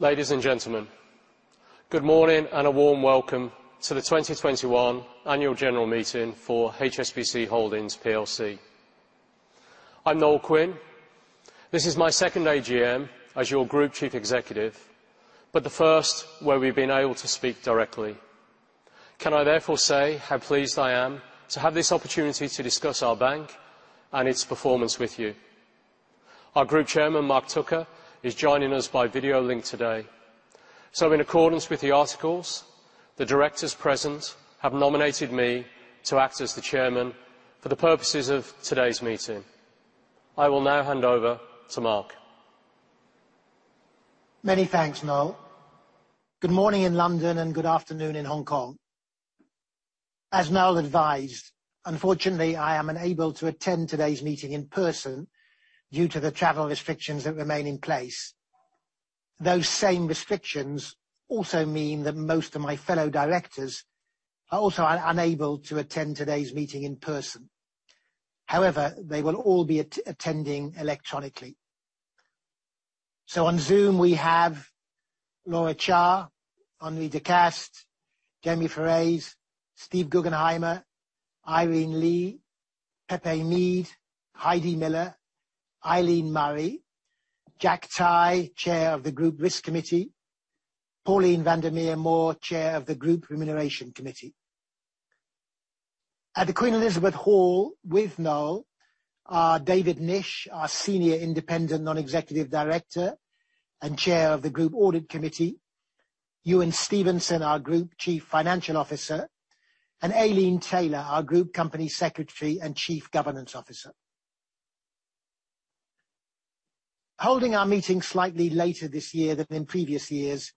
Ladies and gentlemen, good morning and a warm welcome to the 2021 Annual General Meeting for HSBC Holdings plc. I'm Noel Quinn. This is my second AGM as your Group Chief Executive, but the first where we've been able to speak directly. Can I therefore say how pleased I am to have this opportunity to discuss our bank and its performance with you? Our Group Chairman, Mark Tucker, is joining us by video link today. In accordance with the articles, the directors present have nominated me to act as the Chairman for the purposes of today's meeting. I will now hand over to Mark. Many thanks, Noel. Good morning in London and good afternoon in Hong Kong. As Noel advised, unfortunately, I am unable to attend today's meeting in person due to the travel restrictions that remain in place. Those same restrictions also mean that most of my fellow directors are also unable to attend today's meeting in person. However, they will all be attending electronically. On Zoom, we have Laura Cha, Henri de Castries, José Meade, Steven Guggenheimer, Irene Lee, [José Antonio Meade Kuribreña], Heidi Miller, Eileen Murray, Jackson Tai, Chair of the Group Risk Committee, Pauline van der Meer Mohr, Chair of the Group Remuneration Committee. At the Queen Elizabeth Hall with Noel are David Nish, our Senior Independent Non-Executive Director and Chair of the Group Audit Committee, Ewen Stevenson, our Group Chief Financial Officer, and Aileen Taylor, our Group Company Secretary and Chief Governance Officer. Holding our meeting slightly later this year than previous years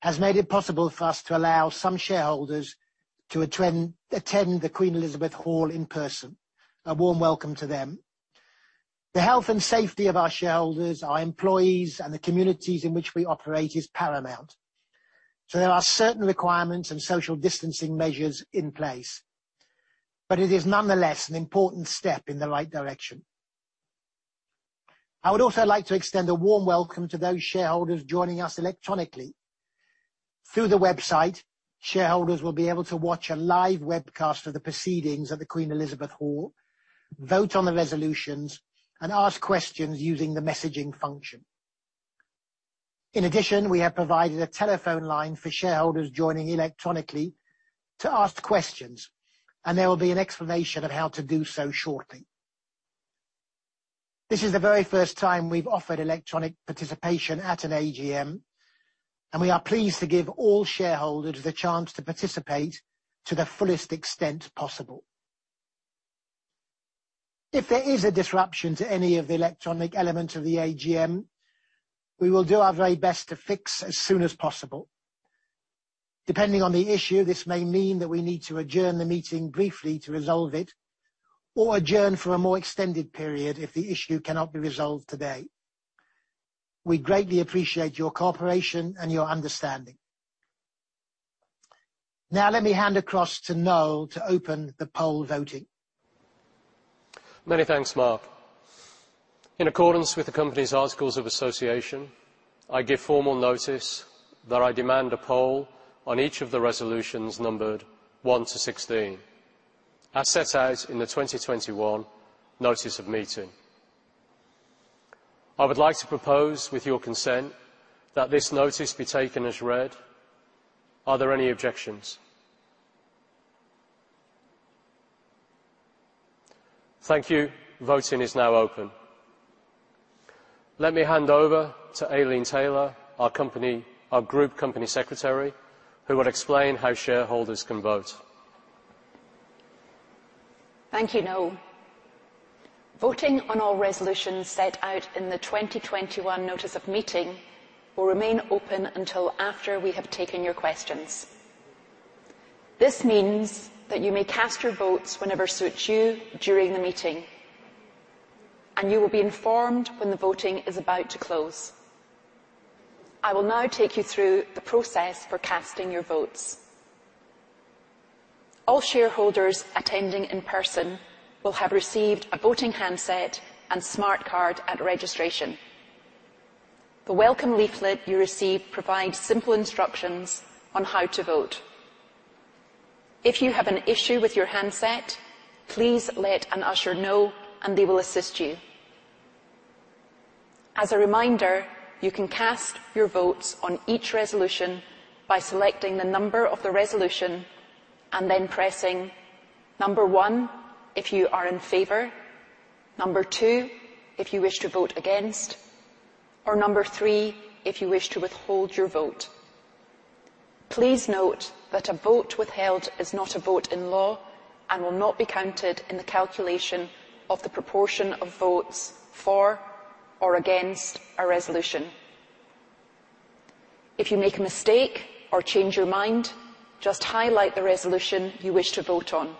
has made it possible for us to allow some shareholders to attend the Queen Elizabeth Hall in person. A warm welcome to them. The health and safety of our shareholders, our employees, and the communities in which we operate is paramount. There are certain requirements and social distancing measures in place. It is nonetheless an important step in the right direction. I would also like to extend a warm welcome to those shareholders joining us electronically. Through the website, shareholders will be able to watch a live webcast of the proceedings at the Queen Elizabeth Hall, vote on the resolutions, and ask questions using the messaging function. In addition, we have provided a telephone line for shareholders joining electronically to ask questions, and there will be an explanation of how to do so shortly. This is the very first time we've offered electronic participation at an AGM. We are pleased to give all shareholders the chance to participate to the fullest extent possible. If there is a disruption to any of the electronic elements of the AGM, we will do our very best to fix as soon as possible. Depending on the issue, this may mean that we need to adjourn the meeting briefly to resolve it or adjourn for a more extended period if the issue cannot be resolved today. We greatly appreciate your cooperation and your understanding. Now let me hand across to Noel to open the poll voting. Many thanks, Mark. In accordance with the company's articles of association, I give formal notice that I demand a poll on each of the resolutions numbered one to 16, as set out in the 2021 notice of meeting. I would like to propose, with your consent, that this notice be taken as read. Are there any objections? Thank you. Voting is now open. Let me hand over to Aileen Taylor, our Group Company Secretary, who will explain how shareholders can vote. Thank you, Noel. Voting on all resolutions set out in the 2021 notice of meeting will remain open until after we have taken your questions. This means that you may cast your votes whenever suits you during the meeting, and you will be informed when the voting is about to close. I will now take you through the process for casting your votes. All shareholders attending in person will have received a voting handset and smart card at registration. The welcome leaflet you received provides simple instructions on how to vote. If you have an issue with your handset, please let an usher know, and they will assist you. As a reminder, you can cast your votes on each resolution by selecting the number of the resolution and then pressing number 1 if you are in favor, number 2 if you wish to vote against, or number 3 if you wish to withhold your vote. Please note that a vote withheld is not a vote in law and will not be counted in the calculation of the proportion of votes for or against a resolution. If you make a mistake or change your mind, just highlight the resolution you wish to vote on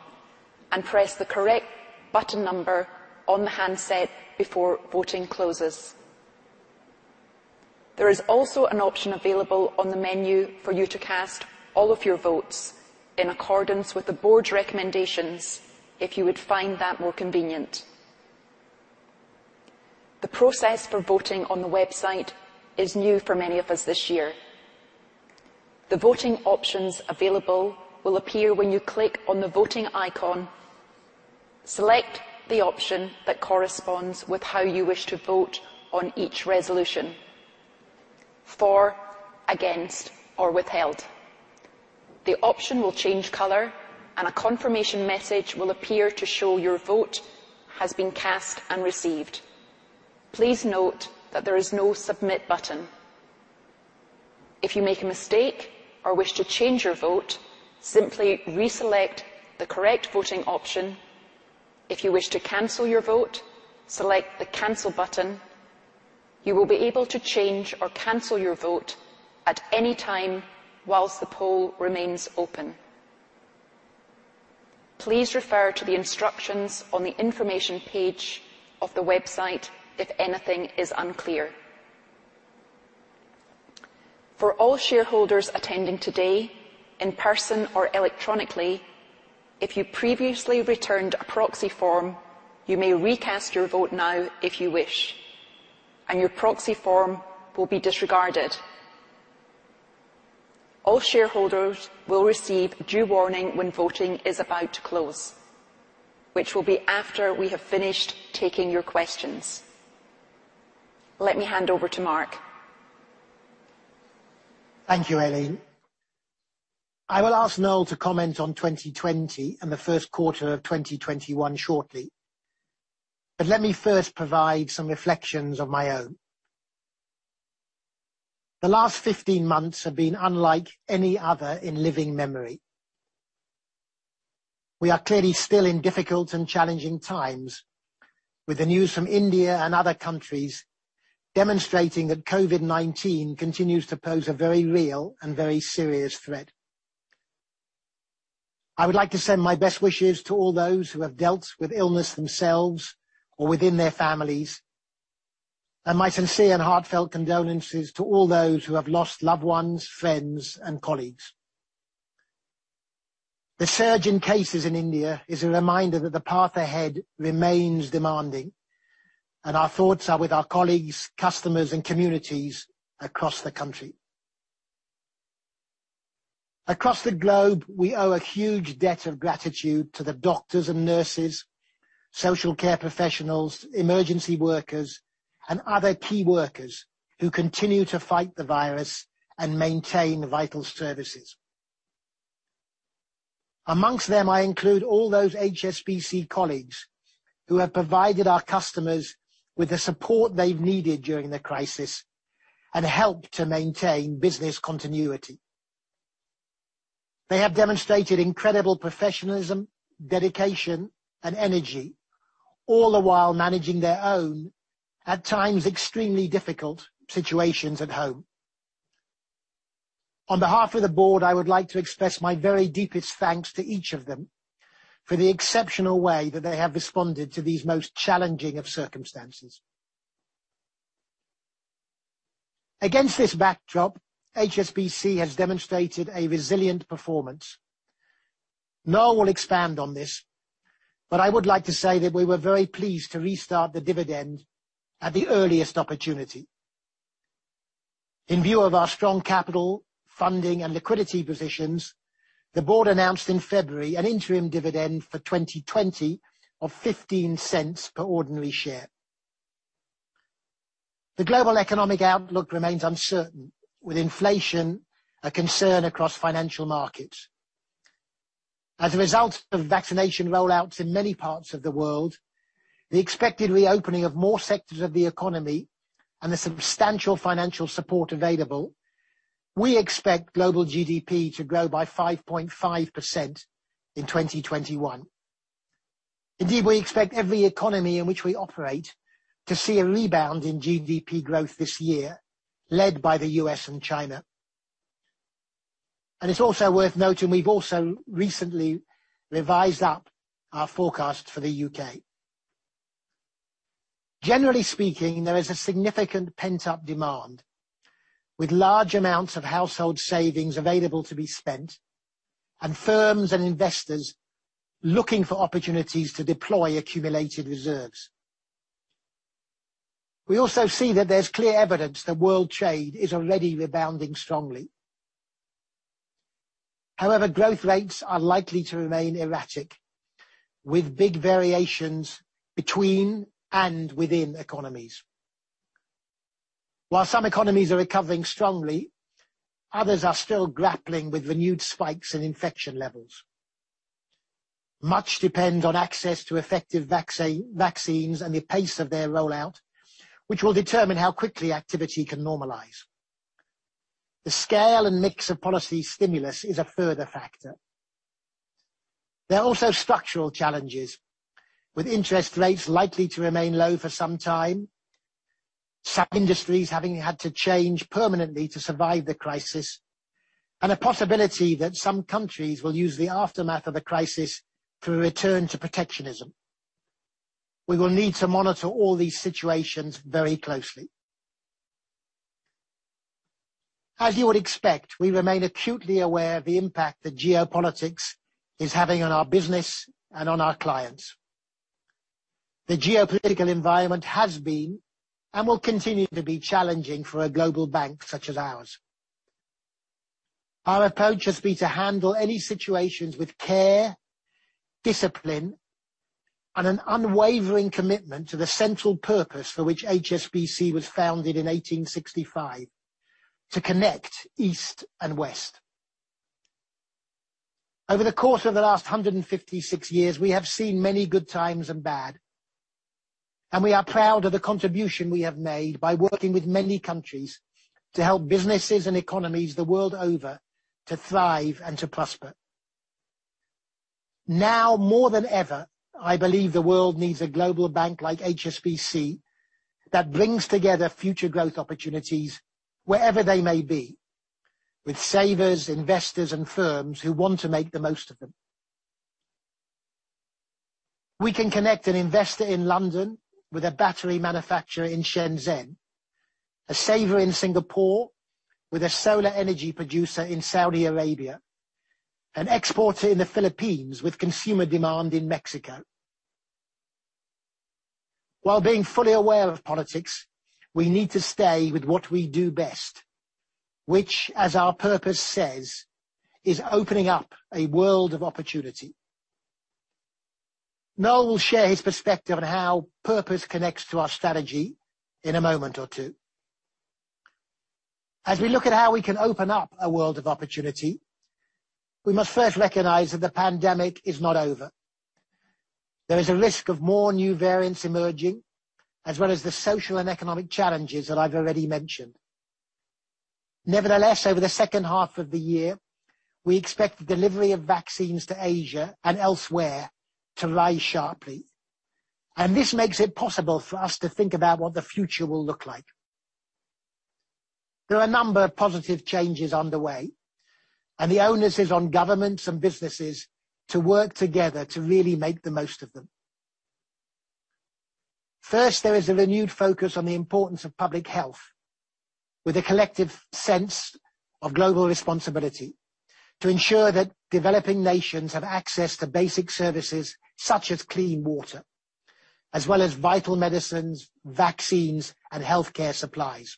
and press the correct button number on the handset before voting closes. There is also an option available on the menu for you to cast all of your votes in accordance with the Board's recommendations if you would find that more convenient. The process for voting on the website is new for many of us this year. The voting options available will appear when you click on the voting icon. Select the option that corresponds with how you wish to vote on each resolution, for, against, or withheld. The option will change color, and a confirmation message will appear to show your vote has been cast and received. Please note that there is no submit button. If you make a mistake or wish to change your vote, simply reselect the correct voting option. If you wish to cancel your vote, select the Cancel button. You will be able to change or cancel your vote at any time whilst the poll remains open. Please refer to the instructions on the information page of the website if anything is unclear. For all shareholders attending today in person or electronically, if you previously returned a proxy form, you may recast your vote now if you wish. Your proxy form will be disregarded. All shareholders will receive due warning when voting is about to close, which will be after we have finished taking your questions. Let me hand over to Mark. Thank you, Aileen. I will ask Noel to comment on 2020 and the first quarter of 2021 shortly, but let me first provide some reflections of my own. The last 15 months have been unlike any other in living memory. We are clearly still in difficult and challenging times with the news from India and other countries demonstrating that COVID-19 continues to pose a very real and very serious threat. I would like to send my best wishes to all those who have dealt with illness themselves or within their families, and my sincere and heartfelt condolences to all those who have lost loved ones, friends, and colleagues. The surge in cases in India is a reminder that the path ahead remains demanding, and our thoughts are with our colleagues, customers, and communities across the country. Across the globe, we owe a huge debt of gratitude to the doctors and nurses, social care professionals, emergency workers, and other key workers who continue to fight the virus and maintain vital services. Among them, I include all those HSBC colleagues who have provided our customers with the support they've needed during the crisis and helped to maintain business continuity. They have demonstrated incredible professionalism, dedication, and energy, all the while managing their own, at times, extremely difficult situations at home. On behalf of the board, I would like to express my very deepest thanks to each of them for the exceptional way that they have responded to these most challenging of circumstances. Against this backdrop, HSBC has demonstrated a resilient performance. Noel will expand on this, but I would like to say that we were very pleased to restart the dividend at the earliest opportunity. In view of our strong capital, funding, and liquidity positions, the board announced in February an interim dividend for 2020 of $0.15 per ordinary share. The global economic outlook remains uncertain, with inflation a concern across financial markets. As a result of vaccination rollouts in many parts of the world, the expected reopening of more sectors of the economy, and the substantial financial support available, we expect global GDP to grow by 5.5% in 2021. Indeed, we expect every economy in which we operate to see a rebound in GDP growth this year led by the U.S. and China. It's also worth noting we've also recently revised up our forecast for the U.K. Generally speaking, there is a significant pent-up demand with large amounts of household savings available to be spent and firms and investors looking for opportunities to deploy accumulated reserves. We also see that there's clear evidence that world trade is already rebounding strongly. Growth rates are likely to remain erratic, with big variations between and within economies. While some economies are recovering strongly, others are still grappling with renewed spikes in infection levels. Much depend on access to effective vaccines and the pace of their rollout, which will determine how quickly activity can normalize. The scale and mix of policy stimulus is a further factor. There are also structural challenges with interest rates likely to remain low for some time, some industries having had to change permanently to survive the crisis and a possibility that some countries will use the aftermath of the crisis to return to protectionism. We will need to monitor all these situations very closely. As you would expect, we remain acutely aware of the impact that geopolitics is having on our business and on our clients. The geopolitical environment has been, and will continue to be, challenging for a global bank such as ours. Our approach has been to handle any situations with care, discipline, and an unwavering commitment to the central purpose for which HSBC was founded in 1865, to connect East and West. Over the course of the last 156 years, we have seen many good times and bad, and we are proud of the contribution we have made by working with many countries to help businesses and economies the world over to thrive and to prosper. Now more than ever, I believe the world needs a global bank like HSBC that brings together future growth opportunities wherever they may be with savers, investors, and firms who want to make the most of them. We can connect an investor in London with a battery manufacturer in Shenzhen, a saver in Singapore with a solar energy producer in Saudi Arabia, an exporter in the Philippines with consumer demand in Mexico. While being fully aware of politics, we need to stay with what we do best, which as our purpose says, is opening up a world of opportunity. Noel will share his perspective on how purpose connects to our strategy in a moment or two. As we look at how we can open up a world of opportunity, we must first recognize that the pandemic is not over. There is a risk of more new variants emerging, as well as the social and economic challenges that I've already mentioned. Nevertheless, over the second half of the year, we expect the delivery of vaccines to Asia and elsewhere to rise sharply, and this makes it possible for us to think about what the future will look like. There are a number of positive changes underway, and the onus is on governments and businesses to work together to really make the most of them. First, there is a renewed focus on the importance of public health with a collective sense of global responsibility to ensure that developing nations have access to basic services such as clean water, as well as vital medicines, vaccines, and healthcare supplies.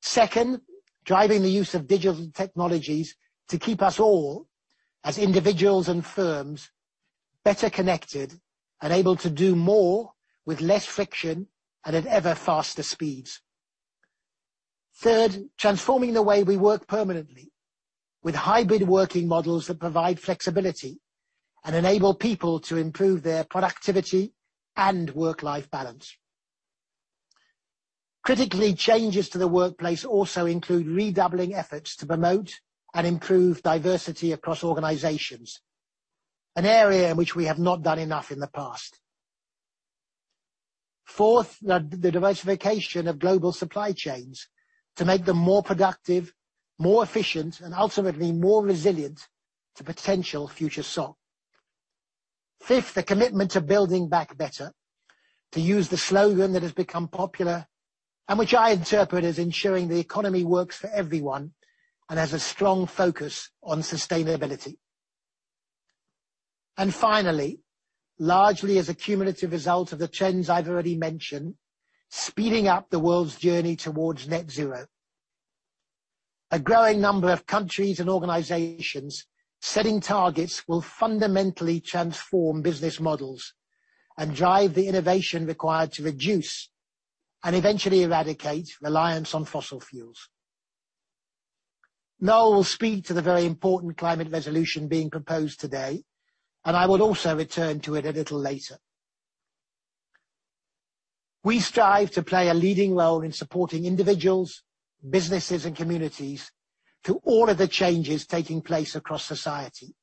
Second, driving the use of digital technologies to keep us all, as individuals and firms, better connected and able to do more with less friction and at ever faster speeds. Third, transforming the way we work permanently with hybrid working models that provide flexibility and enable people to improve their productivity and work-life balance. Critically, changes to the workplace also include redoubling efforts to promote and improve diversity across organizations, an area in which we have not done enough in the past. Fourth, the diversification of global supply chains to make them more productive, more efficient, and ultimately more resilient to potential future shock. Fifth, the commitment to building back better, to use the slogan that has become popular and which I interpret as ensuring the economy works for everyone and has a strong focus on sustainability. Finally, largely as a cumulative result of the trends I've already mentioned, speeding up the world's journey towards Net Zero. A growing number of countries and organizations setting targets will fundamentally transform business models and drive the innovation required to reduce and eventually eradicate reliance on fossil fuels. Noel will speak to the very important climate resolution being proposed today, and I will also return to it a little later. We strive to play a leading role in supporting individuals, businesses, and communities through all of the changes taking place across society.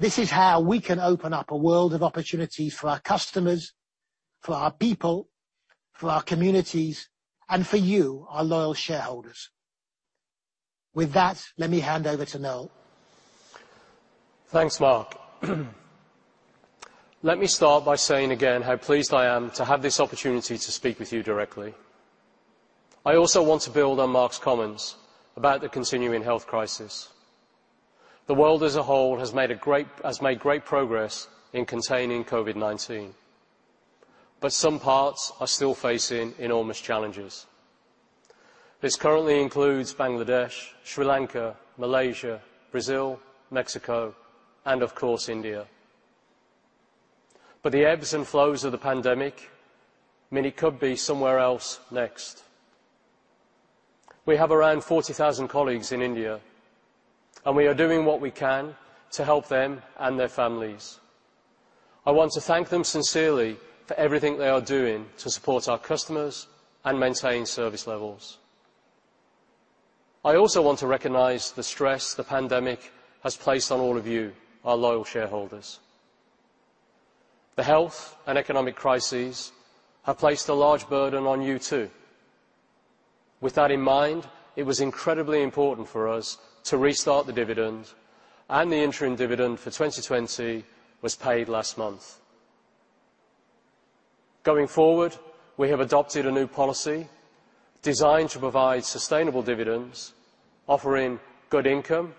This is how we can open up a world of opportunities for our customers, for our people, for our communities, and for you, our loyal shareholders. With that, let me hand over to Noel. Thanks, Mark. Let me start by saying again how pleased I am to have this opportunity to speak with you directly. I also want to build on Mark's comments about the continuing health crisis. The world as a whole has made great progress in containing COVID-19, but some parts are still facing enormous challenges. This currently includes Bangladesh, Sri Lanka, Malaysia, Brazil, Mexico, and of course, India. The ebbs and flows of the pandemic mean it could be somewhere else next. We have around 40,000 colleagues in India, and we are doing what we can to help them and their families. I want to thank them sincerely for everything they are doing to support our customers and maintain service levels. I also want to recognize the stress the pandemic has placed on all of you, our loyal shareholders. The health and economic crises have placed a large burden on you, too. With that in mind, it was incredibly important for us to restart the dividend, and the interim dividend for 2020 was paid last month. Going forward, we have adopted a new policy designed to provide sustainable dividends, offering good income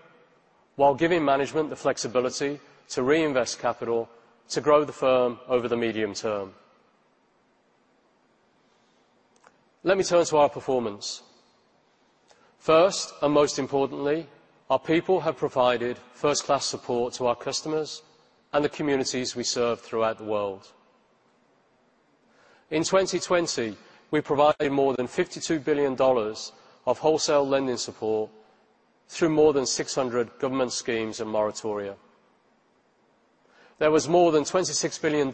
while giving management the flexibility to reinvest capital to grow the firm over the medium term. Let me turn to our performance. First, and most importantly, our people have provided first-class support to our customers and the communities we serve throughout the world. In 2020, we provided more than $52 billion of wholesale lending support through more than 600 government schemes and moratoria. There was more than $26 billion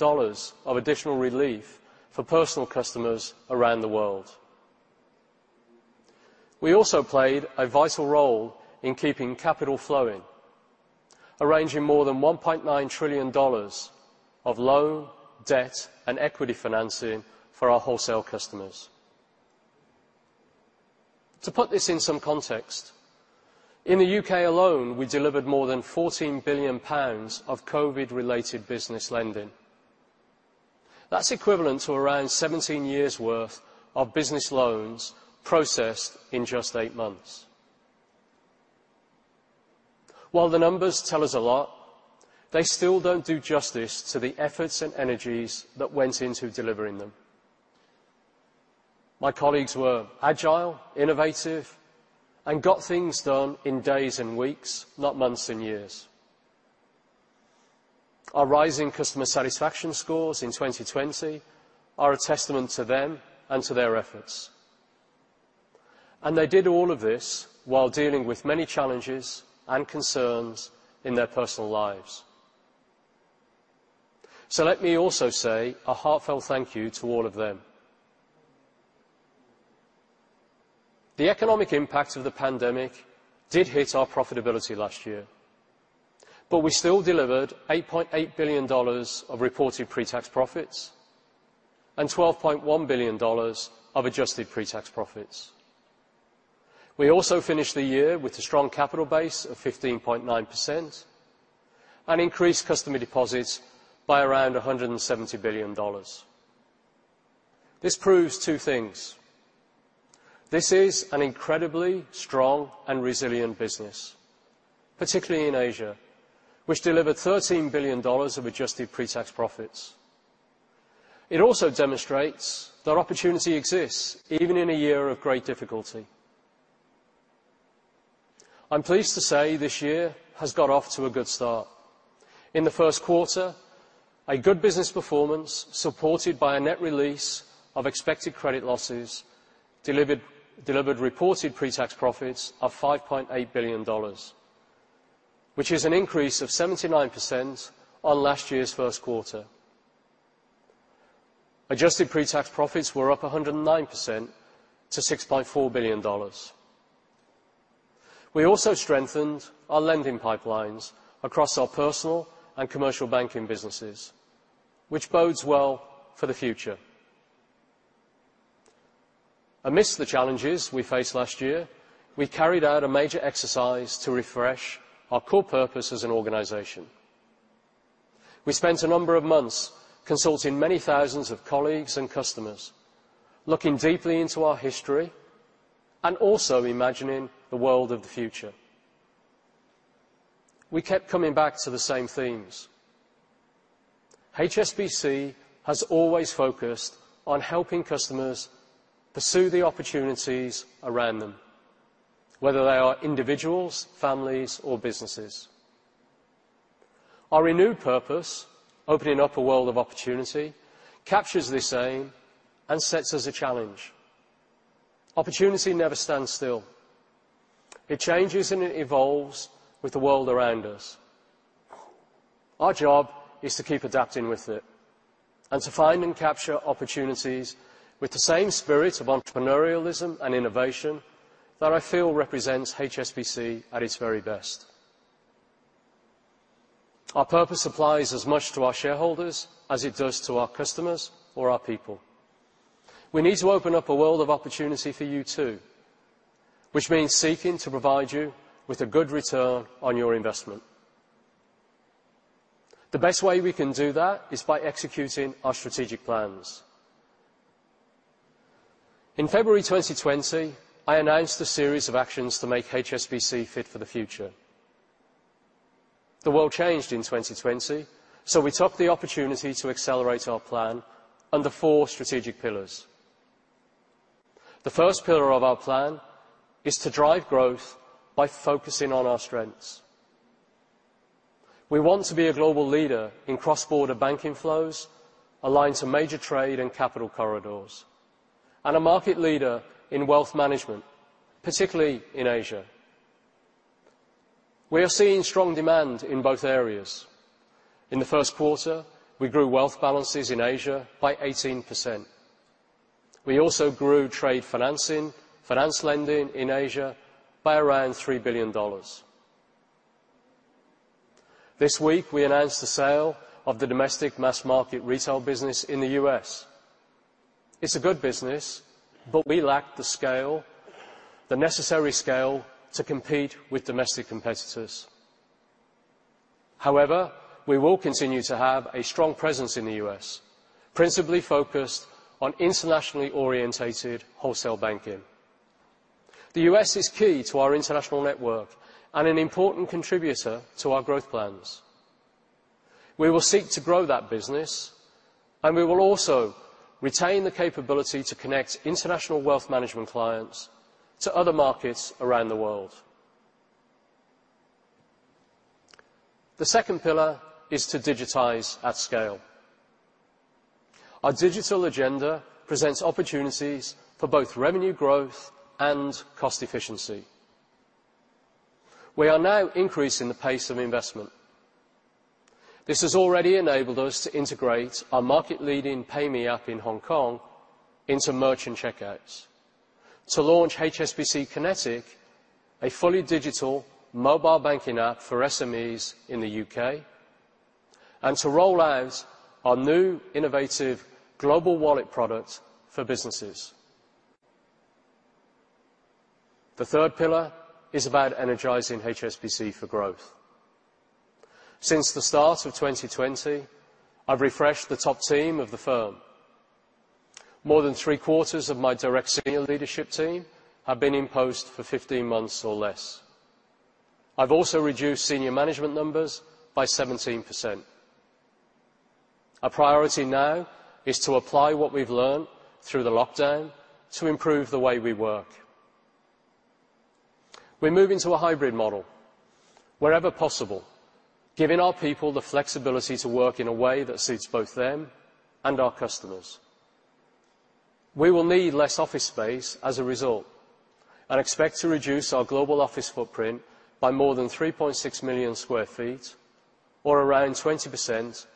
of additional relief for personal customers around the world. We also played a vital role in keeping capital flowing, arranging more than $1.9 trillion of loan, debt, and equity financing for our wholesale customers. To put this in some context, in the U.K. alone, we delivered more than 14 billion pounds of COVID-related business lending. That's equivalent to around 17 years' worth of business loans processed in just eight months. While the numbers tell us a lot, they still don't do justice to the efforts and energies that went into delivering them. My colleagues were agile, innovative, and got things done in days and weeks, not months and years. Our rising customer satisfaction scores in 2020 are a testament to them and to their efforts. They did all of this while dealing with many challenges and concerns in their personal lives. Let me also say a heartfelt thank you to all of them. The economic impact of the pandemic did hit our profitability last year, but we still delivered $8.8 billion of reported pre-tax profits and $12.1 billion of adjusted pre-tax profits. We also finished the year with a strong capital base of 15.9% and increased customer deposits by around $170 billion. This proves two things. This is an incredibly strong and resilient business, particularly in Asia, which delivered $13 billion of adjusted pre-tax profits. It also demonstrates that opportunity exists even in a year of great difficulty. I'm pleased to say this year has got off to a good start. In the first quarter, a good business performance supported by a net release of expected credit losses delivered reported pre-tax profits of $5.8 billion, which is an increase of 79% on last year's first quarter. Adjusted pre-tax profits were up 109% to $6.4 billion. We also strengthened our lending pipelines across our personal and commercial banking businesses, which bodes well for the future. Amidst the challenges we faced last year, we carried out a major exercise to refresh our core purpose as an organization. We spent a number of months consulting many thousands of colleagues and customers, looking deeply into our history and also imagining the world of the future. We kept coming back to the same themes. HSBC has always focused on helping customers pursue the opportunities around them, whether they are individuals, families, or businesses. Our renewed purpose, opening up a world of opportunity, captures this aim and sets us a challenge. Opportunity never stands still. It changes and it evolves with the world around us. Our job is to keep adapting with it and to find and capture opportunities with the same spirit of entrepreneurialism and innovation that I feel represents HSBC at its very best. Our purpose applies as much to our shareholders as it does to our customers or our people. We need to open up a world of opportunity for you, too, which means seeking to provide you with a good return on your investment. The best way we can do that is by executing our strategic plans. In February 2020, I announced a series of actions to make HSBC fit for the future. The world changed in 2020, so we took the opportunity to accelerate our plan under four strategic pillars. The first pillar of our plan is to drive growth by focusing on our strengths. We want to be a global leader in cross-border banking flows, aligned to major trade and capital corridors, and a market leader in wealth management, particularly in Asia. We are seeing strong demand in both areas. In the first quarter, we grew wealth balances in Asia by 18%. We also grew trade financing, finance lending in Asia by around $3 billion. This week, we announced the sale of the domestic mass-market retail business in the U.S. It's a good business, but we lack the necessary scale to compete with domestic competitors. We will continue to have a strong presence in the U.S., principally focused on internationally-oriented wholesale banking. The U.S. is key to our international network and an important contributor to our growth plans. We will seek to grow that business, and we will also retain the capability to connect international wealth management clients to other markets around the world. The second pillar is to digitize at scale. Our digital agenda presents opportunities for both revenue growth and cost efficiency. We are now increasing the pace of investment. This has already enabled us to integrate our market-leading PayMe app in Hong Kong into merchant checkouts, to launch HSBC Kinetic, a fully digital mobile banking app for SMEs in the U.K., and to roll out our new innovative Global Wallet product for businesses. The third pillar is about energizing HSBC for growth. Since the start of 2020, I've refreshed the top team of the firm. More than three-quarters of my direct senior leadership team have been in post for 15 months or less. I've also reduced senior management numbers by 17%. Our priority now is to apply what we've learned through the lockdown to improve the way we work. We're moving to a hybrid model wherever possible, giving our people the flexibility to work in a way that suits both them and our customers. We will need less office space as a result and expect to reduce our global office footprint by more than 3.6 million sq ft, or around 20%,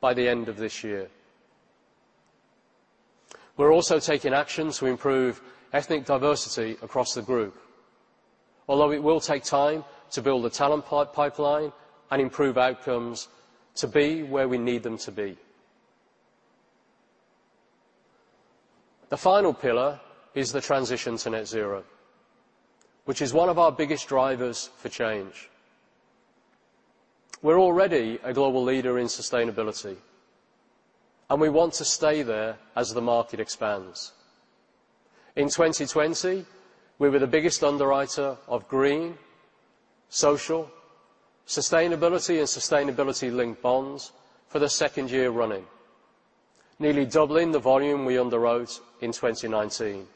by the end of this year. We're also taking action to improve ethnic diversity across the group, although it will take time to build the talent pipeline and improve outcomes to be where we need them to be. The final pillar is the transition to net zero, which is one of our biggest drivers for change. We're already a global leader in sustainability, and we want to stay there as the market expands. In 2020, we were the biggest underwriter of green, social, sustainability, and sustainability-linked bonds for the second year running, nearly doubling the volume we underwrote in 2019.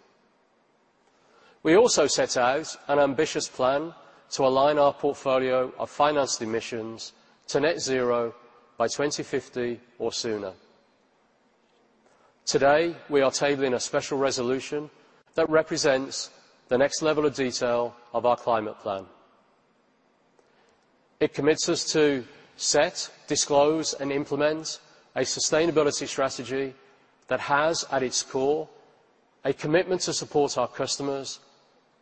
We also set out an ambitious plan to align our portfolio of financed emissions to net zero by 2050 or sooner. Today, we are tabling a special resolution that represents the next level of detail of our climate plan. It commits us to set, disclose, and implement a sustainability strategy that has at its core a commitment to support our customers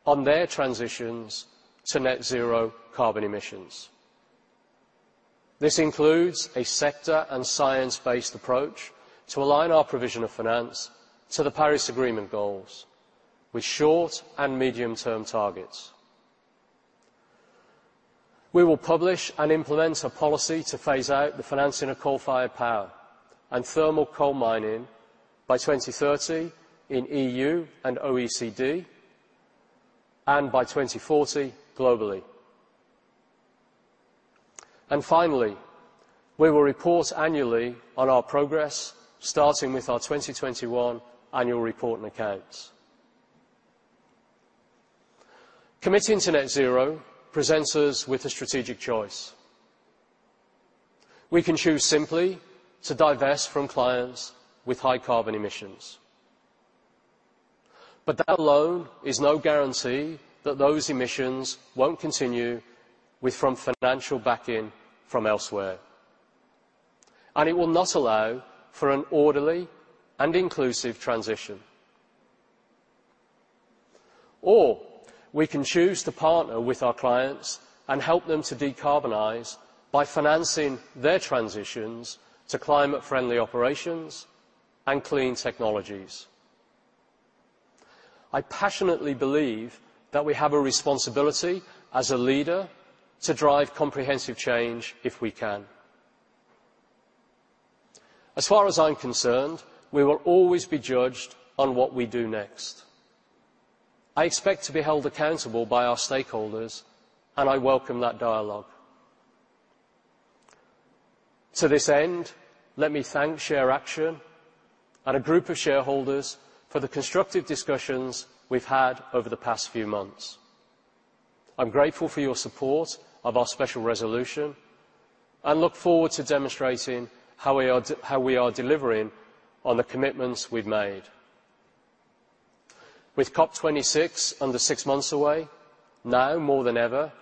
on their transitions to net zero carbon emissions. This includes a sector and science-based approach to align our provision of finance to the Paris Agreement goals with short and medium-term targets. We will publish and implement a policy to phase out the financing of coal-fired power and thermal coal mining by 2030 in EU and OECD, and by 2040 globally. Finally, we will report annually on our progress, starting with our 2021 annual report and accounts. Committing to net zero presents us with a strategic choice. We can choose simply to divest from clients with high carbon emissions. That alone is no guarantee that those emissions won't continue with financial backing from elsewhere. It will not allow for an orderly and inclusive transition. We can choose to partner with our clients and help them to decarbonize by financing their transitions to climate-friendly operations and clean technologies. I passionately believe that we have a responsibility as a leader to drive comprehensive change if we can. As far as I'm concerned, we will always be judged on what we do next. I expect to be held accountable by our stakeholders. I welcome that dialogue. To this end, let me thank ShareAction and a group of shareholders for the constructive discussions we've had over the past few months. I'm grateful for your support of our special resolution and look forward to demonstrating how we are delivering on the commitments we've made. With COP26 under six months away, now more than ever,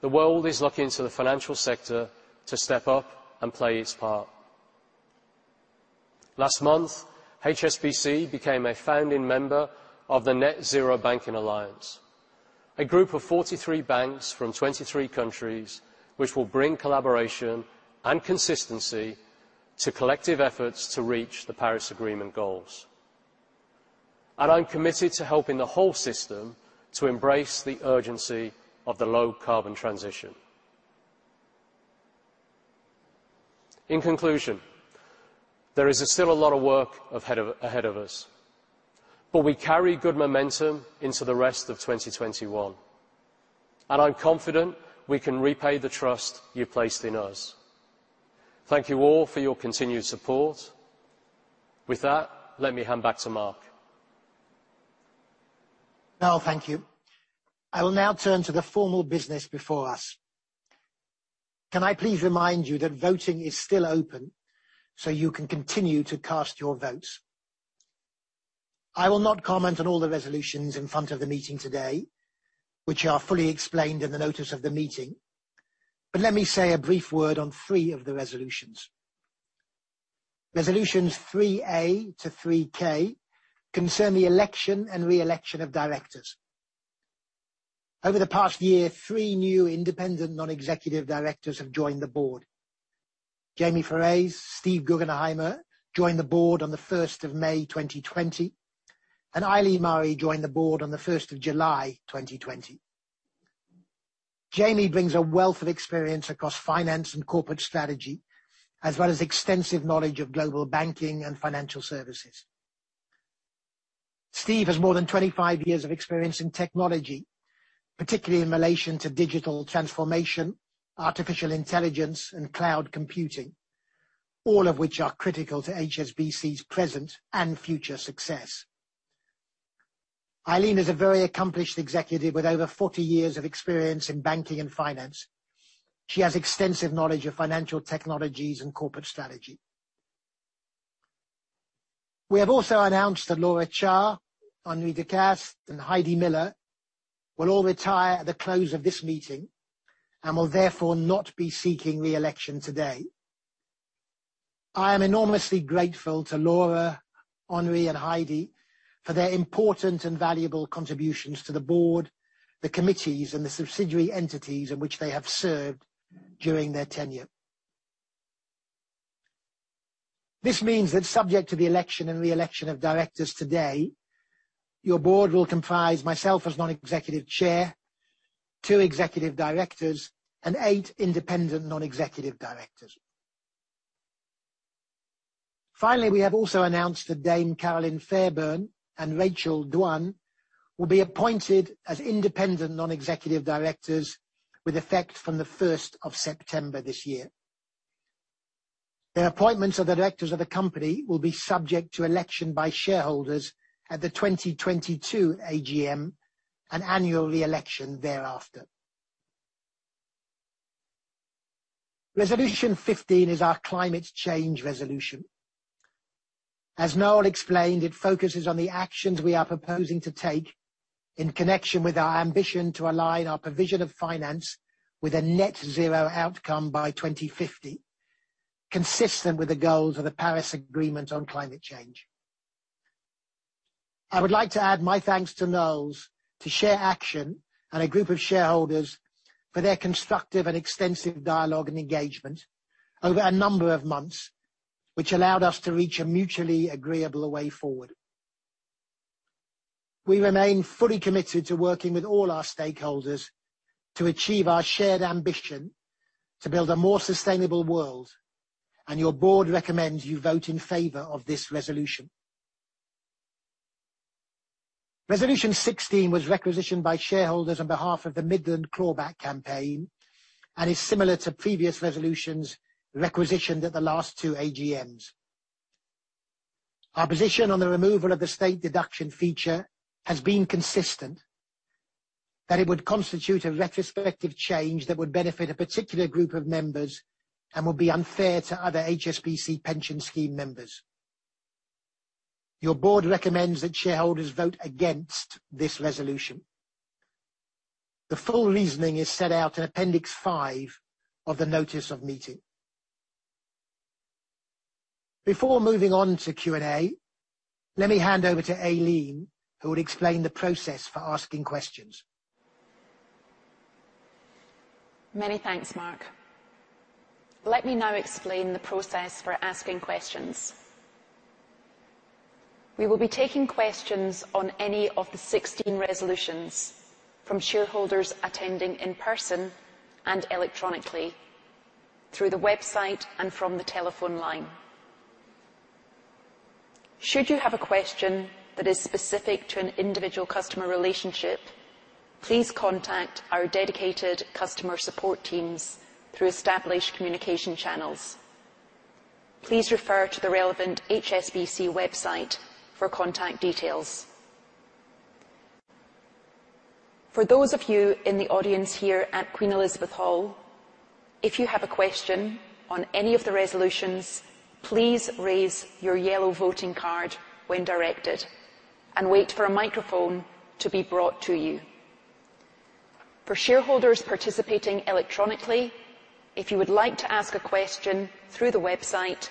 the world is looking to the financial sector to step up and play its part. Last month, HSBC became a founding member of the Net-Zero Banking Alliance, a group of 43 banks from 23 countries which will bring collaboration and consistency to collective efforts to reach the Paris Agreement goals. I'm committed to helping the whole system to embrace the urgency of the low-carbon transition. In conclusion, there is still a lot of work ahead of us, but we carry good momentum into the rest of 2021, and I'm confident we can repay the trust you placed in us. Thank you all for your continued support. With that, let me hand back to Mark. Noel, thank you. I will now turn to the formal business before us. Can I please remind you that voting is still open, so you can continue to cast your votes. I will not comment on all the resolutions in front of the meeting today, which are fully explained in the notice of the meeting. Let me say a brief word on three of the resolutions. Resolutions 3A to 3K concern the election and re-election of directors. Over the past year, three new independent non-executive directors have joined the board. [José Antonio Meade Kuribreña], Steve Guggenheimer joined the board on the 1st of May 2020, and Eileen Murray joined the board on the 1st of July 2020. José Antonio Meade Kuribreña brings a wealth of experience across finance and corporate strategy, as well as extensive knowledge of global banking and financial services. Steve has more than 25 years of experience in technology, particularly in relation to digital transformation, artificial intelligence, and cloud computing, all of which are critical to HSBC's present and future success. Aileen is a very accomplished executive with over 40 years of experience in banking and finance. She has extensive knowledge of financial technologies and corporate strategy. We have also announced that Laura Cha, Henri de Castries, and Heidi Miller will all retire at the close of this meeting and will therefore not be seeking re-election today. I am enormously grateful to Laura, Henri, and Heidi for their important and valuable contributions to the board, the committees, and the subsidiary entities in which they have served during their tenure. This means that subject to the election and re-election of directors today, your board will comprise myself as non-executive chair, two executive directors, and eight independent non-executive directors. Finally, we have also announced that Dame Carolyn Fairbairn and Rachel Duan will be appointed as independent non-executive directors with effect from the 1st of September this year. Their appointments as directors of the company will be subject to election by shareholders at the 2022 AGM and annual re-election thereafter. Resolution 15 is our climate change resolution. As Noel explained, it focuses on the actions we are proposing to take in connection with our ambition to align our provision of finance with a net-zero outcome by 2050, consistent with the goals of the Paris Agreement on climate change. I would like to add my thanks to Noel, to ShareAction, and a group of shareholders for their constructive and extensive dialogue and engagement over a number of months, which allowed us to reach a mutually agreeable way forward. We remain fully committed to working with all our stakeholders to achieve our shared ambition to build a more sustainable world, and your board recommends you vote in favor of this resolution. Resolution 16 was requisitioned by shareholders on behalf of the Midland Clawback Campaign and is similar to previous resolutions requisitioned at the last two AGMs. Our position on the removal of the state deduction feature has been consistent, that it would constitute a retrospective change that would benefit a particular group of members and would be unfair to other HSBC pension scheme members. Your board recommends that shareholders vote against this resolution. The full reasoning is set out in Appendix five of the notice of meeting. Before moving on to Q&A, let me hand over to Aileen, who will explain the process for asking questions. Many thanks, Mark. Let me now explain the process for asking questions. We will be taking questions on any of the 16 resolutions from shareholders attending in person and electronically through the website and from the telephone line. Should you have a question that is specific to an individual customer relationship, please contact our dedicated customer support teams through established communication channels. Please refer to the relevant HSBC website for contact details. For those of you in the audience here at Queen Elizabeth Hall, if you have a question on any of the resolutions, please raise your yellow voting card when directed and wait for a microphone to be brought to you. For shareholders participating electronically, if you would like to ask a question through the website,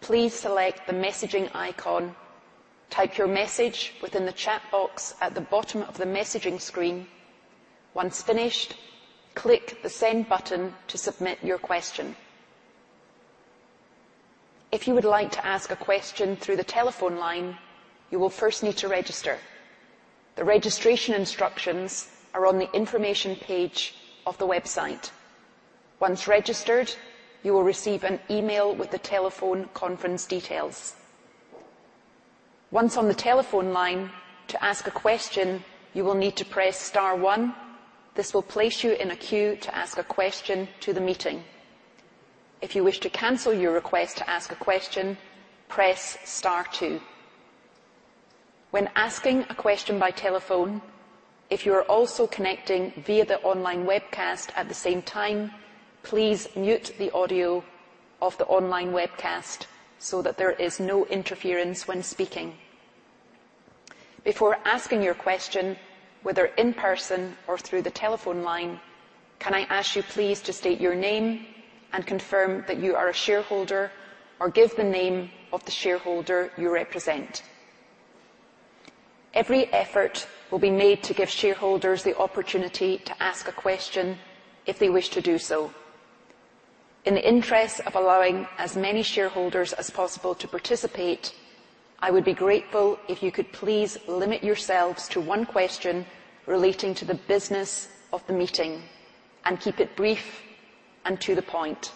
please select the messaging icon. Type your message within the chat box at the bottom of the messaging screen. Once finished, click the send button to submit your question. If you would like to ask a question through the telephone line, you will first need to register. The registration instructions are on the information page of the website. Once registered, you will receive an email with the telephone conference details. Once on the telephone line, to ask a question, you will need to press star one. This will place you in a queue to ask a question to the meeting. If you wish to cancel your request to ask a question, press star two. When asking a question by telephone, if you are also connecting via the online webcast at the same time, please mute the audio of the online webcast so that there is no interference when speaking. Before asking your question, whether in person or through the telephone line, can I ask you please to state your name and confirm that you are a shareholder or give the name of the shareholder you represent? Every effort will be made to give shareholders the opportunity to ask a question if they wish to do so. In the interest of allowing as many shareholders as possible to participate, I would be grateful if you could please limit yourselves to one question relating to the business of the meeting and keep it brief and to the point.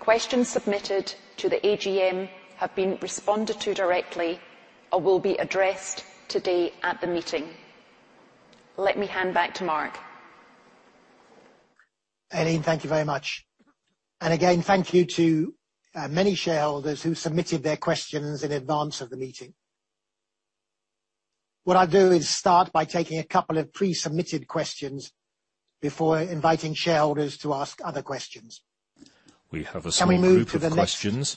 Questions submitted to the AGM have been responded to directly or will be addressed today at the meeting. Let me hand back to Mark. Aileen, thank you very much. Again, thank you to our many shareholders who submitted their questions in advance of the meeting. What I'll do is start by taking a couple of pre-submitted questions before inviting shareholders to ask other questions. Can we move to the next. We have a small group of questions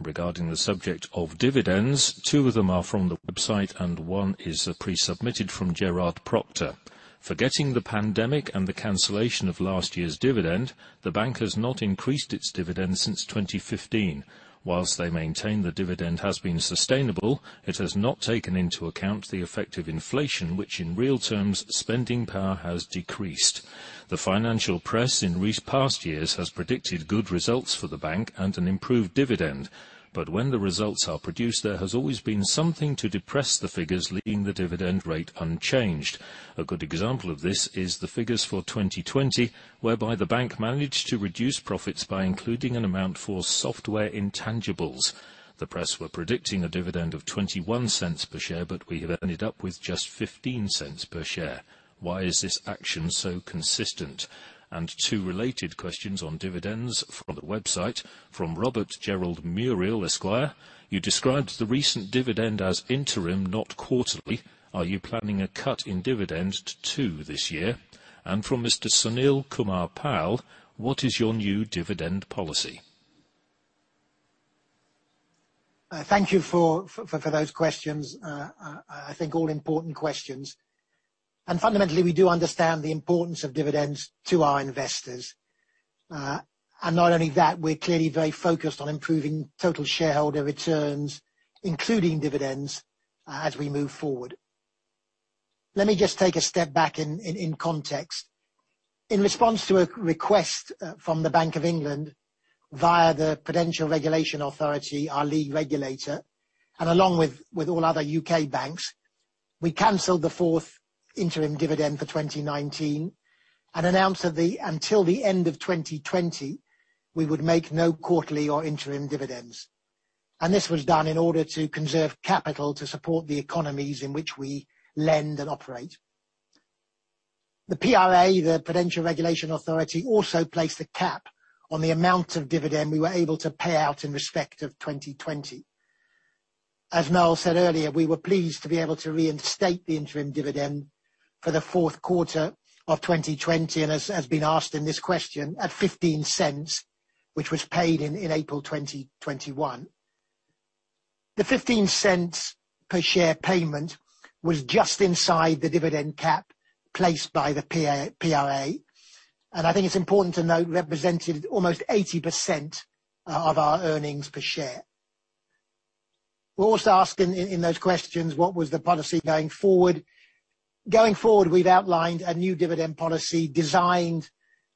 regarding the subject of dividends. Two of them are from the website, and one is pre-submitted from Gerard Proctor. Forgetting the pandemic and the cancellation of last year's dividend, the bank has not increased its dividend since 2015. Whilst they maintain the dividend has been sustainable, it has not taken into account the effect of inflation, which in real terms, spending power has decreased. The financial press in recent past years has predicted good results for the bank and an improved dividend. When the results are produced, there has always been something to depress the figures, leaving the dividend rate unchanged. A good example of this is the figures for 2020, whereby the bank managed to reduce profits by including an amount for software intangibles. The press were predicting a dividend of $0.21 per share, we have ended up with just $0.15 per share. Why is this action so consistent? Two related questions on dividends from the website. From [Robert Gerald Muriel Esquire], you described the recent dividend as interim, not quarterly. Are you planning a cut in dividend too this year? From Mr. Sunil Kumar Pal, what is your new dividend policy? Thank you for those questions. I think all important questions. Fundamentally, we do understand the importance of dividends to our investors. Not only that, we're clearly very focused on improving total shareholder returns, including dividends, as we move forward. Let me just take a step back in context. In response to a request from the Bank of England via the Prudential Regulation Authority, our lead regulator, and along with all other U.K. banks, we canceled the fourth interim dividend for 2019 and announced that until the end of 2020, we would make no quarterly or interim dividends. This was done in order to conserve capital to support the economies in which we lend and operate. The PRA, the Prudential Regulation Authority, also placed a cap on the amount of dividend we were able to pay out in respect of 2020. As Noel said earlier, we were pleased to be able to reinstate the interim dividend for the fourth quarter of 2020, and as has been asked in this question, at $0.15, which was paid in April 2021. The $0.15 per share payment was just inside the dividend cap placed by the PRA. I think it's important to note, it represented almost 80% of our earnings per share. We're also asking in those questions, what was the policy going forward? Going forward, we've outlined a new dividend policy designed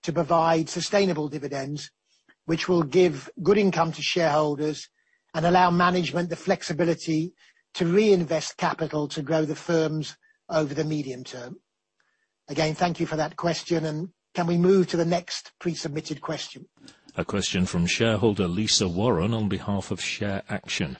to provide sustainable dividends, which will give good income to shareholders and allow management the flexibility to reinvest capital to grow the firm over the medium term. Again, thank you for that question, and can we move to the next pre-submitted question? A question from shareholder Lisa Warren on behalf of ShareAction.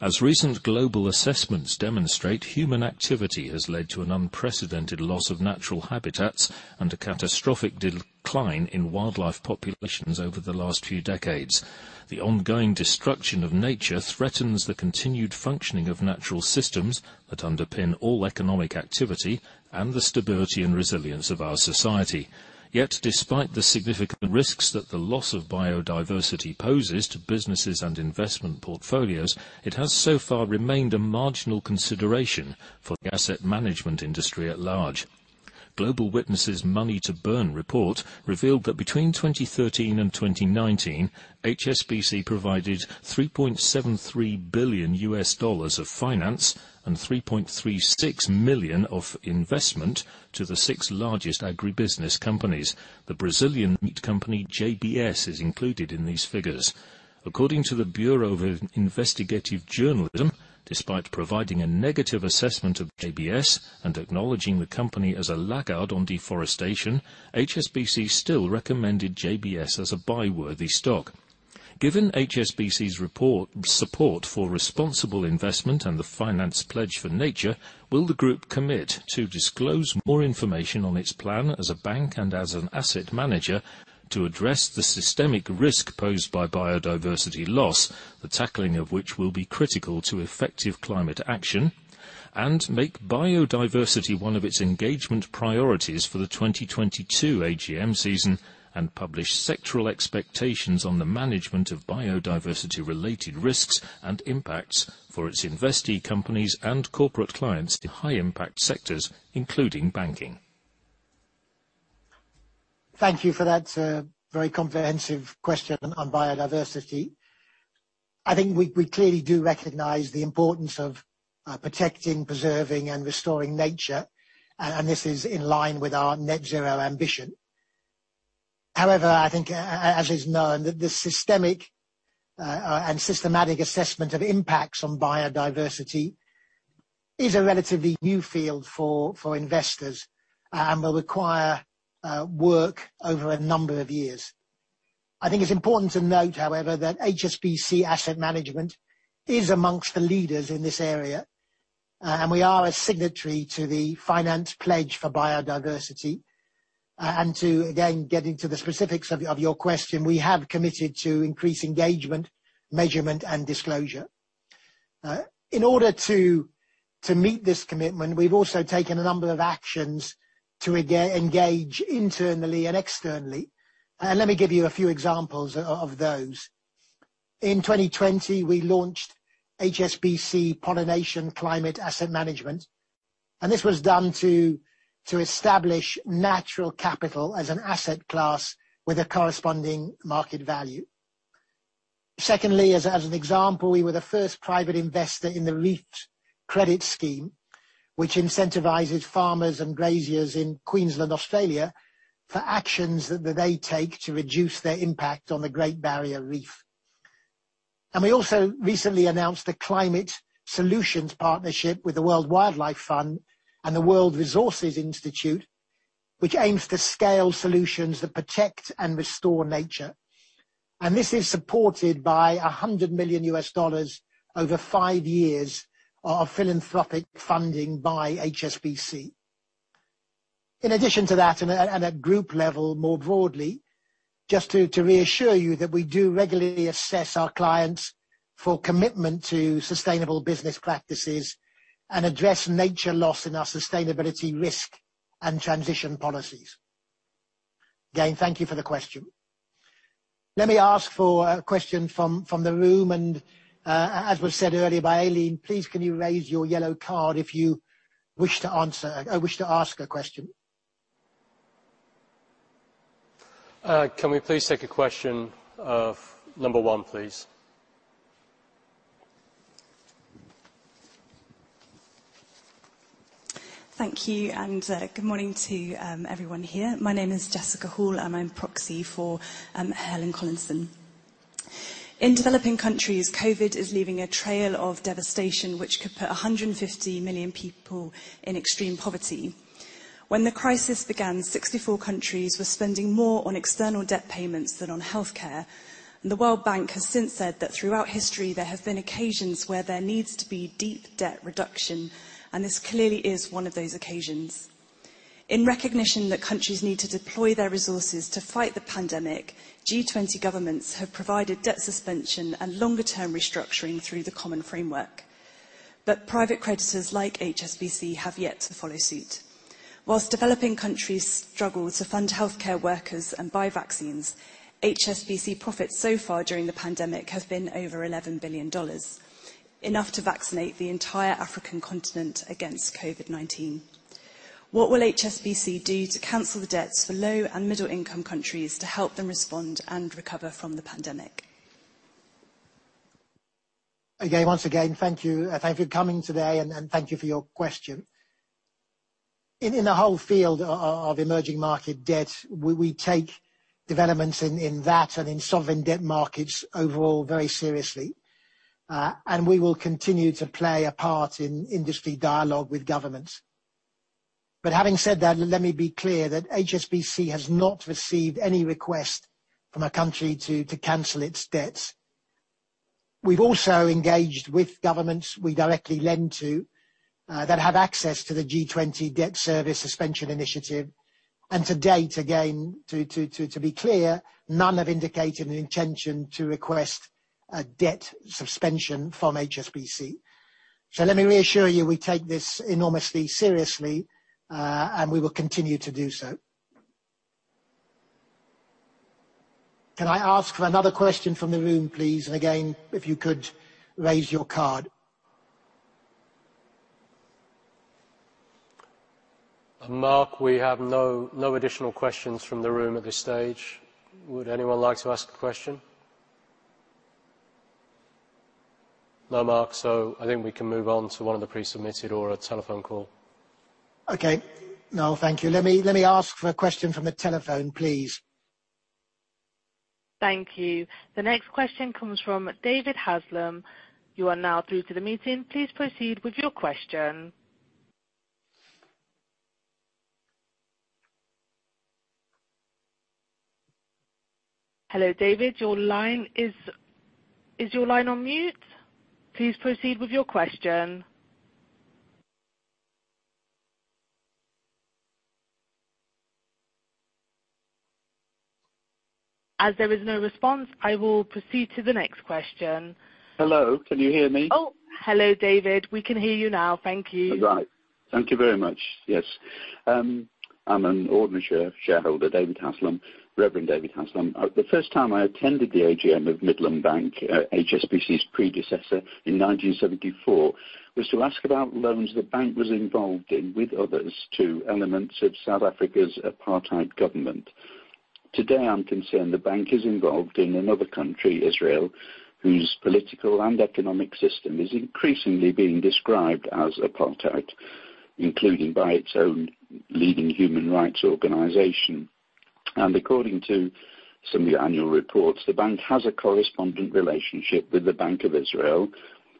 As recent global assessments demonstrate, human activity has led to an unprecedented loss of natural habitats and a catastrophic decline in wildlife populations over the last few decades. The ongoing destruction of nature threatens the continued functioning of natural systems that underpin all economic activity and the stability and resilience of our society. Yet despite the significant risks that the loss of biodiversity poses to businesses and investment portfolios, it has so far remained a marginal consideration for the asset management industry at large. Global Witness's Money to Burn report revealed that between 2013 and 2019, HSBC provided $3.73 billion of finance and 3.36 million of investment to the six largest agribusiness companies. The Brazilian meat company JBS is included in these figures. According to the Bureau of Investigative Journalism, despite providing a negative assessment of JBS and acknowledging the company as a laggard on deforestation, HSBC still recommended JBS as a buy-worthy stock. Given HSBC's support for responsible investment and the Finance for Biodiversity Pledge, will the group commit to disclose more information on its plan as a bank and as an asset manager to address the systemic risk posed by biodiversity loss, the tackling of which will be critical to effective climate action, and make biodiversity one of its engagement priorities for the 2022 AGM season, and publish sectoral expectations on the management of biodiversity-related risks and impacts for its investee companies and corporate clients in high-impact sectors, including banking? Thank you for that very comprehensive question on biodiversity. I think we clearly do recognize the importance of protecting, preserving, and restoring nature, and this is in line with our net zero ambition. However, I think, as is known, the systemic and systematic assessment of impacts on biodiversity is a relatively new field for investors and will require work over a number of years. I think it's important to note, however, that HSBC Asset Management is amongst the leaders in this area, and we are a signatory to the Finance Pledge for Biodiversity. To, again, get into the specifics of your question, we have committed to increase engagement, measurement, and disclosure. In order to meet this commitment, we've also taken a number of actions to engage internally and externally. Let me give you a few examples of those. In 2020, we launched HSBC Pollination Climate Asset Management. This was done to establish natural capital as an asset class with a corresponding market value. Secondly, as an example, we were the first private investor in the Reef Credit Scheme, which incentivizes farmers and graziers in Queensland, Australia for actions that they take to reduce their impact on the Great Barrier Reef. We also recently announced a climate solutions partnership with the World Wildlife Fund and the World Resources Institute, which aims to scale solutions that protect and restore nature. This is supported by $100 million over five years of philanthropic funding by HSBC. In addition to that, and at group level more broadly, just to reassure you that we do regularly assess our clients for commitment to sustainable business practices and address nature loss in our sustainability risk and transition policies. Again, thank you for the question. Let me ask for a question from the room, and as was said earlier by Aileen, please can you raise your yellow card if you wish to ask a question. Can we please take a question, number one, please. Thank you. Good morning to everyone here. My name is [Jessica Hall], and I'm proxy for Helen Collinson. In developing countries, COVID is leaving a trail of devastation which could put 150 million people in extreme poverty. When the crisis began, 64 countries were spending more on external debt payments than on healthcare. The World Bank has since said that throughout history, there have been occasions where there needs to be deep debt reduction, and this clearly is one of those occasions. In recognition that countries need to deploy their resources to fight the pandemic, G20 governments have provided debt suspension and longer-term restructuring through the Common Framework. Private creditors like HSBC have yet to follow suit. While developing countries struggle to fund healthcare workers and buy vaccines, HSBC profits so far during the pandemic have been over $11 billion, enough to vaccinate the entire African continent against COVID-19. What will HSBC do to cancel the debts for low- and middle-income countries to help them respond and recover from the pandemic? Again, once again, thank you for coming today, and thank you for your question. In the whole field of emerging market debt, we take developments in that and in sovereign debt markets overall very seriously. We will continue to play a part in industry dialogue with governments. Having said that, let me be clear that HSBC has not received any request from a country to cancel its debts. We've also engaged with governments we directly lend to that have access to the G20 Debt Service Suspension Initiative. To date, again, to be clear, none have indicated an intention to request a debt suspension from HSBC. Let me reassure you, we take this enormously seriously, and we will continue to do so. Can I ask for another question from the room, please? Again, if you could raise your card. Mark, we have no additional questions from the room at this stage. Would anyone like to ask a question? No, Mark. I think we can move on to one of the pre-submitted or a telephone call. Okay. No, thank you. Let me ask for a question from a telephone, please. Thank you. The next question comes from [David Haslam]. Please proceed with your question. Hello, David. Is your line on mute? Please proceed with your question. As there is no response, I will proceed to the next question. Hello, can you hear me? Oh, hello, David. We can hear you now. Thank you. Right. Thank you very much. Yes. I'm an ordinary shareholder, [David Haslam], Reverend David Haslam. The first time I attended the AGM of Midland Bank, HSBC's predecessor in 1974, was to ask about loans the bank was involved in with others to elements of South Africa's apartheid government. Today, I'm concerned the bank is involved in another country, Israel, whose political and economic system is increasingly being described as apartheid, including by its own leading human rights organization. According to some of the annual reports, the bank has a correspondent relationship with the Bank of Israel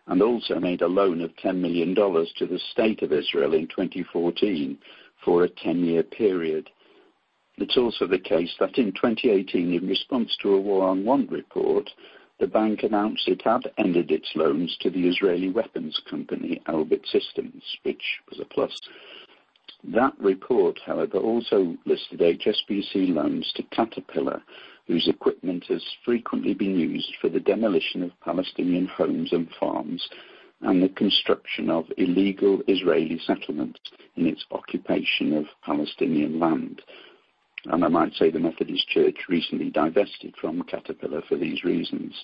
and also made a loan of $10 million to the State of Israel in 2014 for a 10-year period. It's also the case that in 2018, in response to a War on Want report, the bank announced it had ended its loans to the Israeli weapons company, Elbit Systems, which was a plus. That report, however, also listed HSBC loans to Caterpillar, whose equipment has frequently been used for the demolition of Palestinian homes and farms and the construction of illegal Israeli settlements in its occupation of Palestinian land. I might say the Methodist Church recently divested from Caterpillar for these reasons.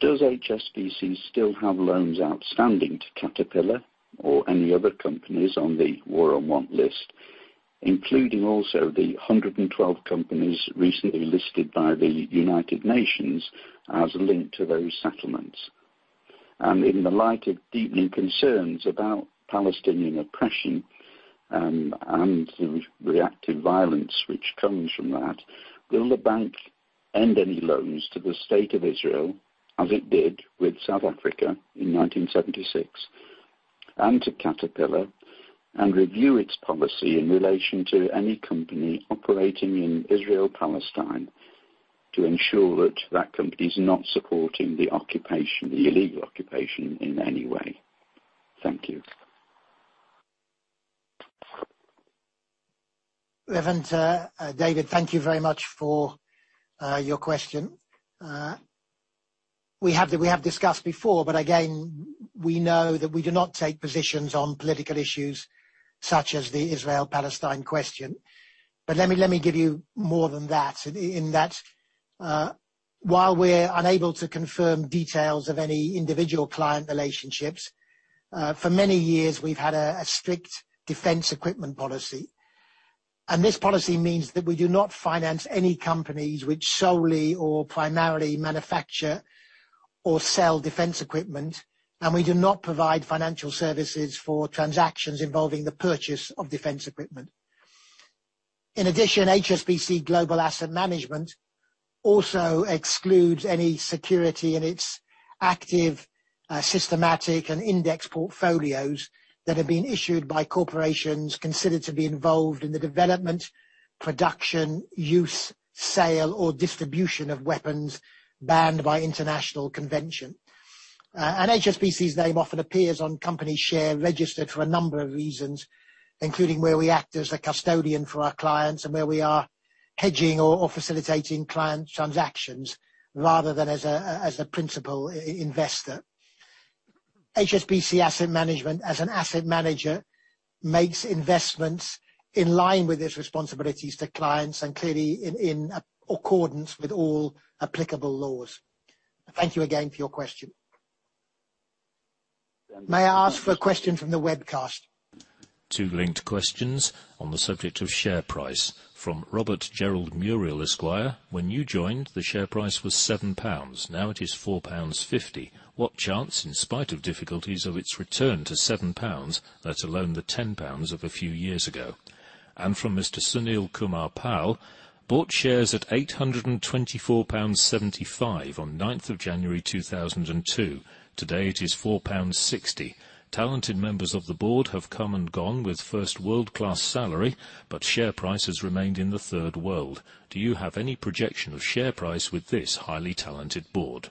Does HSBC still have loans outstanding to Caterpillar or any other companies on the War on Want list, including also the 112 companies recently listed by the United Nations as linked to those settlements? In the light of deepening concerns about Palestinian oppression and the reactive violence which comes from that, will the bank end any loans to the State of Israel, as it did with South Africa in 1976, and to Caterpillar, and review its policy in relation to any company operating in Israel-Palestine to ensure that that company is not supporting the illegal occupation in any way? Thank you. Reverend David, thank you very much for your question. We have discussed before, again, we know that we do not take positions on political issues such as the Israel-Palestine question. Let me give you more than that. In that, while we're unable to confirm details of any individual client relationships, for many years we've had a strict defense equipment policy. This policy means that we do not finance any companies which solely or primarily manufacture or sell defense equipment, and we do not provide financial services for transactions involving the purchase of defense equipment. In addition, HSBC Global Asset Management also excludes any security in its active, systematic, and index portfolios that have been issued by corporations considered to be involved in the development, production, use, sale, or distribution of weapons banned by international convention. HSBC's name often appears on company share registered for a number of reasons, including where we act as a custodian for our clients and where we are hedging or facilitating client transactions rather than as a principal investor. HSBC Asset Management, as an asset manager, makes investments in line with its responsibilities to clients and clearly in accordance with all applicable laws. Thank you again for your question. May I ask for a question from the webcast? Two linked questions on the subject of share price from Robert Gerald Muriel Esquire: When you joined, the share price was 7 pounds. Now it is 4.50 pounds. What chance, in spite of difficulties, of its return to 7 pounds, let alone the 10 pounds of a few years ago? From Mr. Sunil Kumar Pal: Bought shares at 824.75 pounds on 9th of January 2002. Today, it is 4.60 pounds. Talented members of the board have come and gone with first world-class salary, but share price has remained in the third world. Do you have any projection of share price with this highly talented board?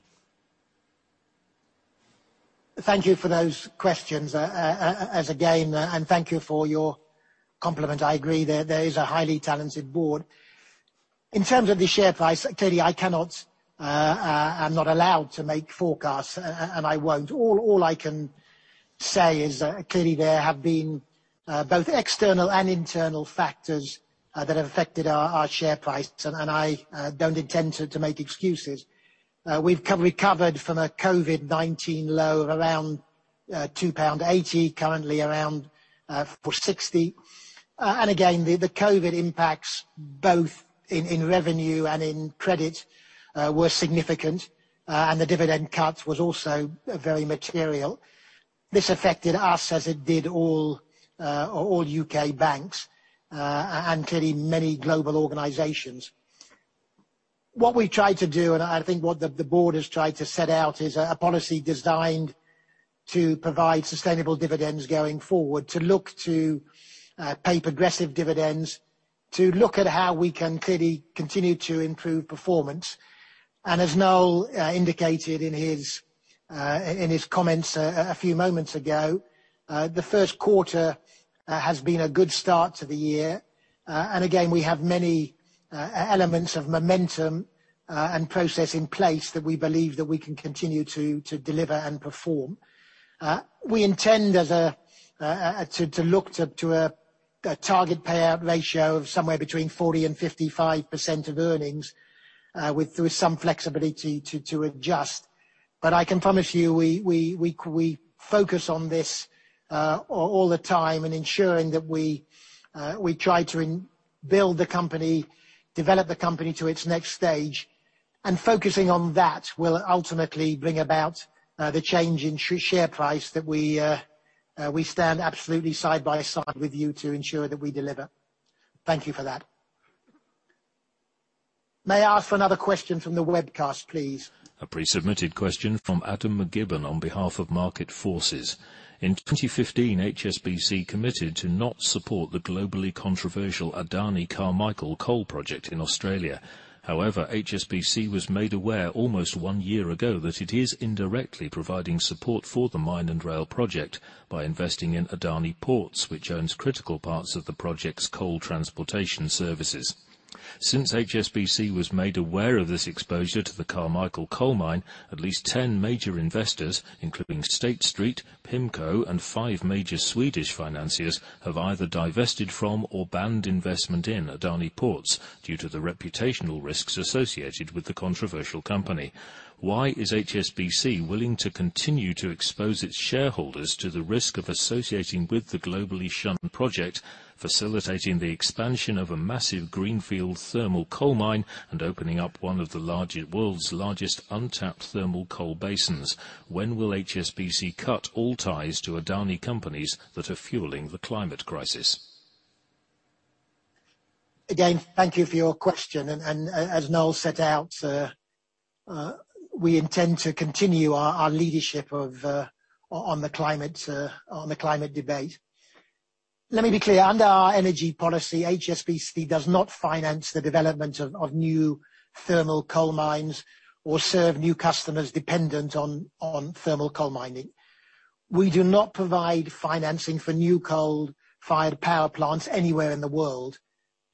Thank you for those questions again, and thank you for your compliment. I agree that there is a highly talented board. In terms of the share price, clearly I am not allowed to make forecasts, and I won't. All I can say is that clearly there have been both external and internal factors that have affected our share price, and I don't intend to make excuses. We've recovered from a COVID-19 low of around 2.80 pound, currently around 4.60. Again, the COVID impacts both in revenue and in credit were significant, and the dividend cut was also very material. This affected us as it did all U.K. banks and clearly many global organizations. What we tried to do, I think what the board has tried to set out, is a policy designed to provide sustainable dividends going forward, to look to pay progressive dividends, to look at how we can clearly continue to improve performance. As Noel indicated in his comments a few moments ago, the first quarter has been a good start to the year. Again, we have many elements of momentum and process in place that we believe that we can continue to deliver and perform. We intend to look to a target payout ratio of somewhere between 40% and 55% of earnings, with some flexibility to adjust. I can promise you, we focus on this all the time and ensuring that we try to build the company, develop the company to its next stage. Focusing on that will ultimately bring about the change in share price that we stand absolutely side by side with you to ensure that we deliver. Thank you for that. May I ask for another question from the webcast, please? A pre-submitted question from Adam McGibbon on behalf of Market Forces. In 2015, HSBC committed to not support the globally controversial Adani Carmichael coal project in Australia. However, HSBC was made aware almost one year ago that it is indirectly providing support for the mine and rail project by investing in Adani Ports, which owns critical parts of the project's coal transportation services. Since HSBC was made aware of this exposure to the Carmichael coal mine, at least 10 major investors, including State Street, PIMCO, and five major Swedish financiers, have either divested from or banned investment in Adani Ports due to the reputational risks associated with the controversial company. Why is HSBC willing to continue to expose its shareholders to the risk of associating with the globally shunned project, facilitating the expansion of a massive greenfield thermal coal mine and opening up one of the world's largest untapped thermal coal basins? When will HSBC cut all ties to Adani companies that are fueling the climate crisis? Again, thank you for your question. As Noel set out, we intend to continue our leadership on the climate debate. Let me be clear. Under our energy policy, HSBC does not finance the development of new thermal coal mines or serve new customers dependent on thermal coal mining. We do not provide financing for new coal-fired power plants anywhere in the world,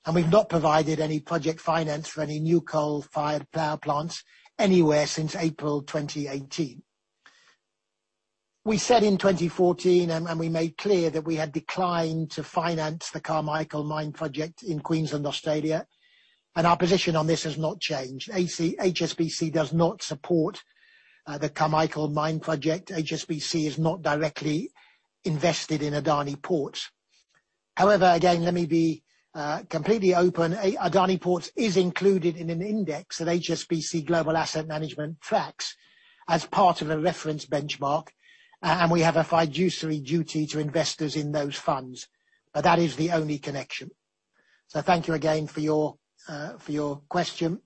and we've not provided any project finance for any new coal-fired power plants anywhere since April 2018. We said in 2014, and we made clear that we had declined to finance the Carmichael mine project in Queensland, Australia, and our position on this has not changed. HSBC does not support the Carmichael mine project. HSBC is not directly invested in Adani Port. Again, let me be completely open. Adani Port is included in an index that HSBC Global Asset Management tracks as part of a reference benchmark, and we have a fiduciary duty to investors in those funds. That is the only connection. Thank you again for your question.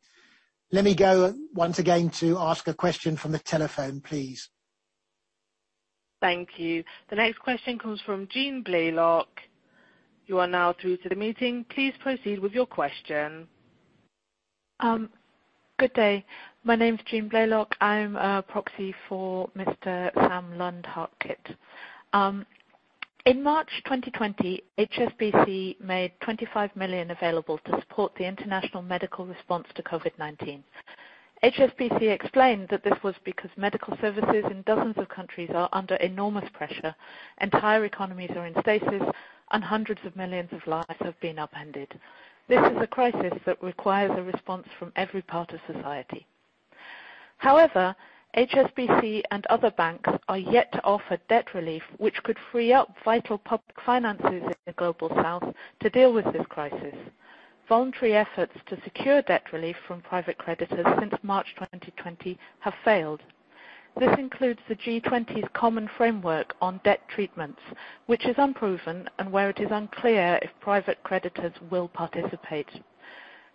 Let me go once again to ask a question from the telephone, please. Thank you. The next question comes from Jean Blaylock. Good day. My name is Jean Blaylock. I'm a proxy for Mr. Sam Lund-Harket. In March 2020, HSBC made 25 million available to support the international medical response to COVID-19. HSBC explained that this was because medical services in dozens of countries are under enormous pressure, entire economies are in stasis, and hundreds of millions of lives have been upended. This is a crisis that requires a response from every part of society. However, HSBC and other banks are yet to offer debt relief, which could free up vital public finances in the Global South to deal with this crisis. Voluntary efforts to secure debt relief from private creditors since March 2020 have failed. This includes the G20's Common Framework for Debt Treatments, which is unproven and where it is unclear if private creditors will participate.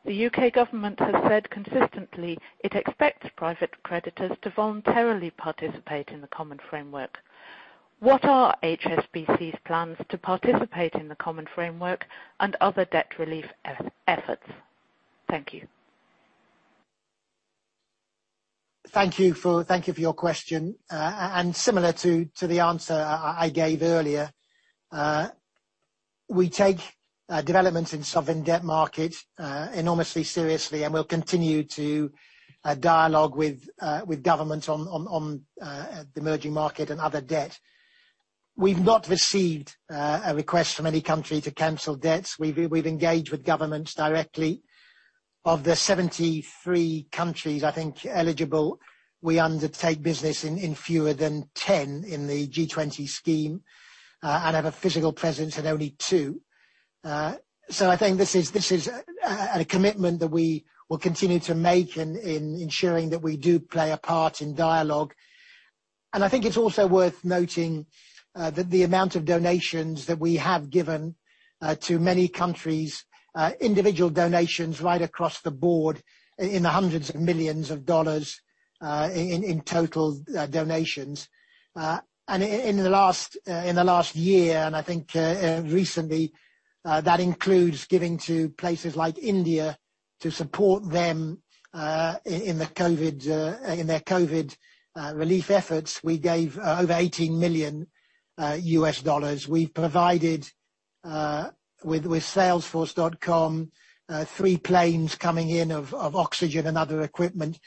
The U.K. government has said consistently it expects private creditors to voluntarily participate in the Common Framework. What are HSBC's plans to participate in the Common Framework and other debt relief efforts? Thank you. Thank you for your question. Similar to the answer I gave earlier. We take developments in sovereign debt markets enormously seriously, and we'll continue to dialogue with governments on the emerging market and other debt. We've not received a request from any country to cancel debts. We've engaged with governments directly. Of the 73 countries, I think eligible, we undertake business in fewer than 10 in the G20 scheme and have a physical presence in only two. I think this is a commitment that we will continue to make in ensuring that we do play a part in dialogue. I think it's also worth noting that the amount of donations that we have given to many countries, individual donations right across the board in hundreds of millions of dollars in total donations. In the last year, and I think recently, that includes giving to places like India to support them in their COVID relief efforts. We gave over $18 million. We provided with Salesforce.com, three planes coming in of oxygen and other equipment.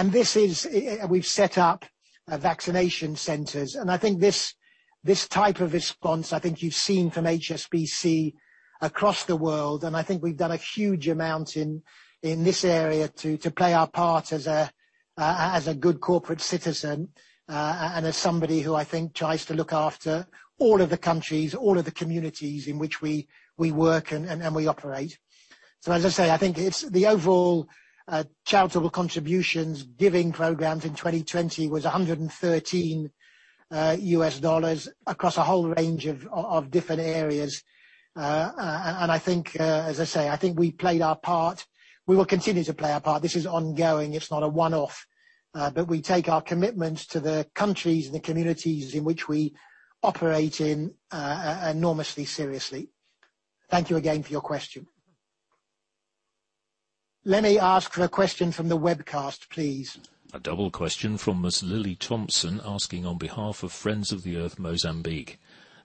We've set up vaccination centers. I think this type of response, I think you've seen from HSBC across the world, I think we've done a huge amount in this area to play our part as a good corporate citizen and as somebody who I think tries to look after all of the countries, all of the communities in which we work and we operate. As I say, I think the overall charitable contributions giving programs in 2020 was $113 across a whole range of different areas. I think, as I say, I think we play our part. We will continue to play our part. This is ongoing. It's not a one-off. We take our commitments to the countries and the communities in which we operate in enormously seriously. Thank you again for your question. Let me ask for a question from the webcast, please. A double question from Ms. Lily Thompson asking on behalf of Friends of the Earth, Mozambique.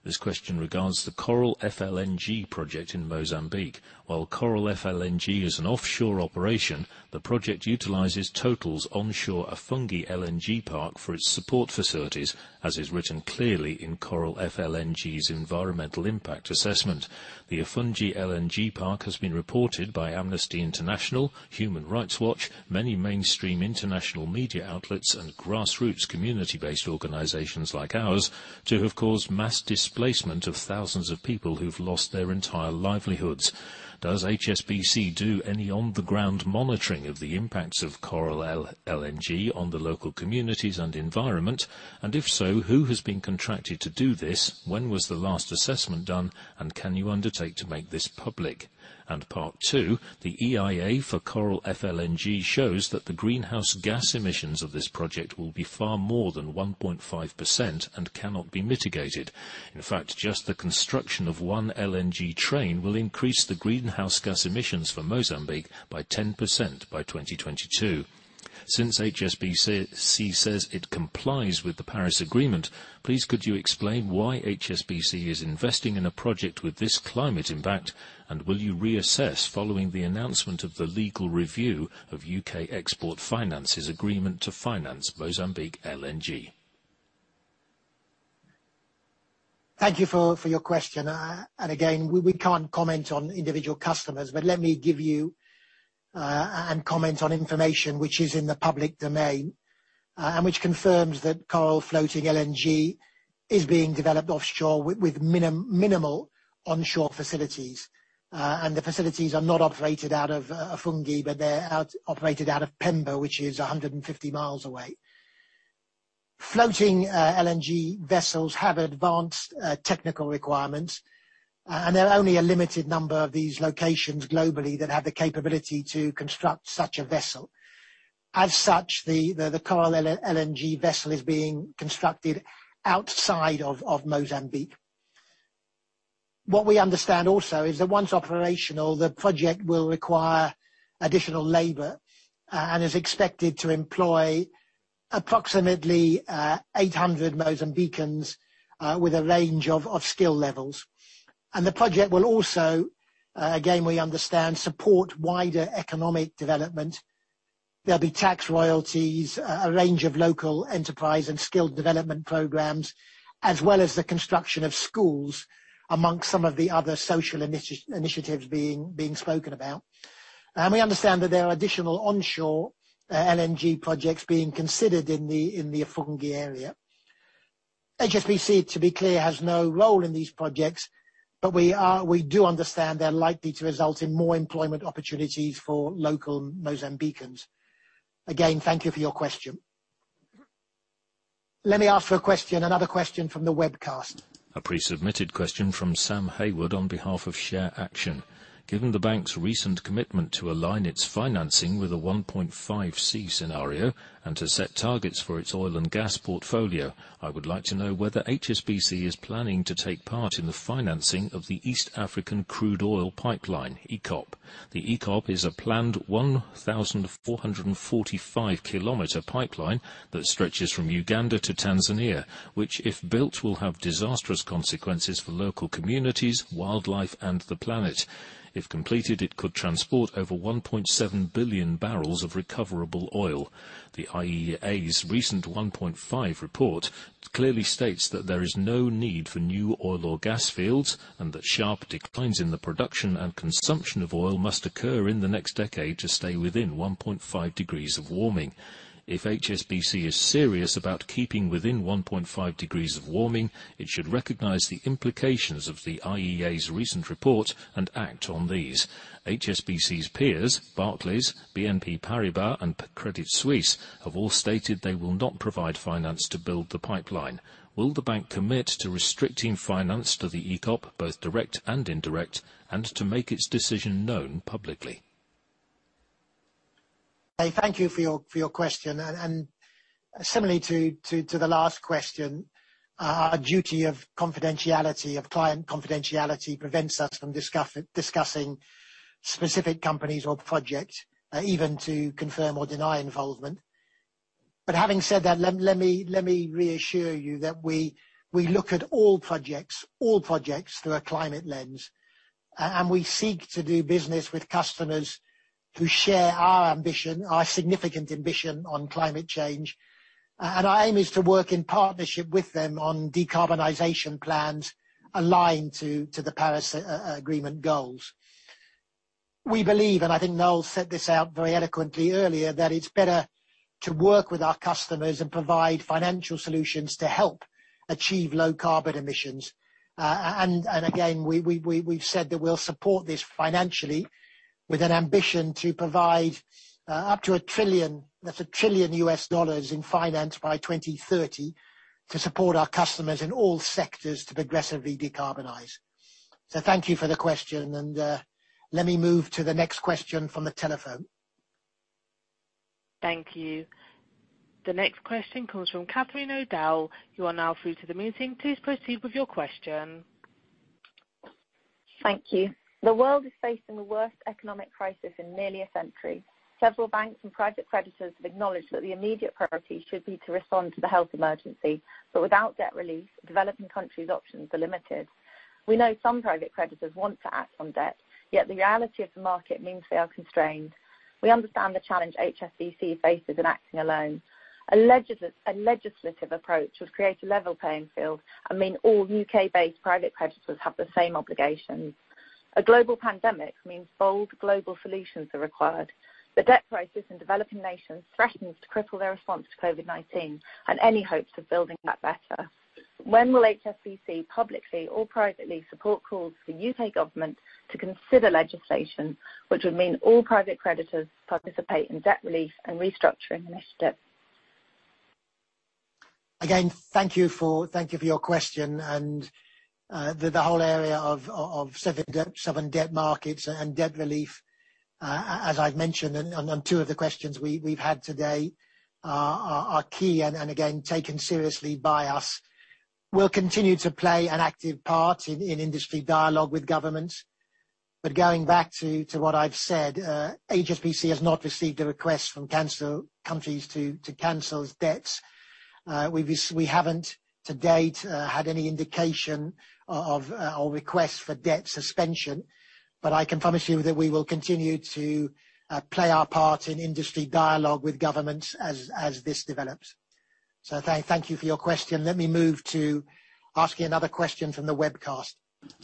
This question regards the Coral FLNG project in Mozambique. While Coral FLNG is an offshore operation, the project utilizes Total's onshore Afungi LNG park for its support facilities, as is written clearly in Coral FLNG's environmental impact assessment. The Afungi LNG park has been reported by Amnesty International, Human Rights Watch, many mainstream international media outlets, and grassroots community-based organizations like ours to have caused mass displacement of thousands of people who've lost their entire livelihoods. Does HSBC do any on-the-ground monitoring of the impacts of Coral LNG on the local communities and environment? If so, who has been contracted to do this? When was the last assessment done? Can you undertake to make this public? Part two, the EIA for Coral FLNG shows that the greenhouse gas emissions of this project will be far more than 1.5% and cannot be mitigated. In fact, just the construction of one LNG train will increase the greenhouse gas emissions for Mozambique by 10% by 2022. Since HSBC says it complies with the Paris Agreement, please could you explain why HSBC is investing in a project with this climate impact, and will you reassess following the announcement of the legal review of UK Export Finance's agreement to finance Mozambique LNG? Thank you for your question. We can't comment on individual customers, but let me give you and comment on information which is in the public domain and which confirms that Coral Sul FLNG is being developed offshore with minimal onshore facilities. The facilities are not operated out of Afungi, but they're operated out of Pemba, which is 150 miles away. Floating LNG vessels have advanced technical requirements, and there are only a limited number of these locations globally that have the capability to construct such a vessel. As such, the Coral Sul FLNG vessel is being constructed outside of Mozambique. What we understand also is that once operational, the project will require additional labor and is expected to employ approximately 800 Mozambicans with a range of skill levels. The project will also, again, we understand, support wider economic development. There'll be tax royalties, a range of local enterprise and skilled development programs, as well as the construction of schools amongst some of the other social initiatives being spoken about. We understand that there are additional onshore LNG projects being considered in the Afungi area. HSBC, to be clear, has no role in these projects, but we do understand they're likely to result in more employment opportunities for local Mozambicans. Again, thank you for your question. Let me ask for another question from the webcast. A pre-submitted question from Sam Hayward on behalf of ShareAction. Given the bank's recent commitment to align its financing with a 1.5C scenario and to set targets for its oil and gas portfolio, I would like to know whether HSBC is planning to take part in the financing of the East African Crude Oil Pipeline, EACOP. The EACOP is a planned 1,445 km pipeline that stretches from Uganda to Tanzania, which, if built, will have disastrous consequences for local communities, wildlife, and the planet. If completed, it could transport over 1.7 billion barrels of recoverable oil. The IEA's recent Net Zero by 2050 report clearly states that there is no need for new oil or gas fields, and that sharp declines in the production and consumption of oil must occur in the next decade to stay within 1.5 degrees of warming. If HSBC is serious about keeping within 1.5 degrees of warming, it should recognize the implications of the IEA's recent report and act on these. HSBC's peers, Barclays, BNP Paribas, and Credit Suisse, have all stated they will not provide finance to build the pipeline. Will the bank commit to restricting finance to the EACOP, both direct and indirect, and to make its decision known publicly? Thank you for your question. Similarly to the last question, our duty of client confidentiality prevents us from discussing specific companies or projects, even to confirm or deny involvement. Having said that, let me reassure you that we look at all projects through a climate lens, and we seek to do business with customers who share our ambition, our significant ambition on climate change. Our aim is to work in partnership with them on decarbonization plans aligned to the Paris Agreement goals. We believe, and I think Noel set this out very eloquently earlier, that it's better to work with our customers and provide financial solutions to help achieve low carbon emissions. Again, we've said that we'll support this financially with an ambition to provide up to $1 trillion in finance by 2030 to support our customers in all sectors to progressively decarbonize. Thank you for the question, and let me move to the next question from the telephone. Thank you. The next question comes from [Catherine Odell]. Thank you. The world is facing the worst economic crisis in nearly a century. Several banks and private creditors have acknowledged that the immediate priority should be to respond to the health emergency. Without debt relief, the developing countries' options are limited. We know some private creditors want to act on debt, yet the reality of the market means they are constrained. We understand the challenge HSBC faces in acting alone. A legislative approach would create a level playing field and mean all U.K.-based private creditors have the same obligations. A global pandemic means bold global solutions are required. The debt crisis in developing nations threatens to cripple their response to COVID-19 and any hopes of building back better. When will HSBC publicly or privately support calls for U.K. government to consider legislation, which would mean all private creditors participate in debt relief and restructuring initiatives? Again, thank you for your question. The whole area of sovereign debt markets and debt relief, as I've mentioned on two of the questions we've had today, are key and again, taken seriously by us. We'll continue to play an active part in industry dialogue with governments. Going back to what I've said, HSBC has not received a request from countries to cancel its debts. We haven't to date had any indication of requests for debt suspension, but I can promise you that we will continue to play our part in industry dialogue with governments as this develops. Thank you for your question. Let me move to asking another question from the webcast.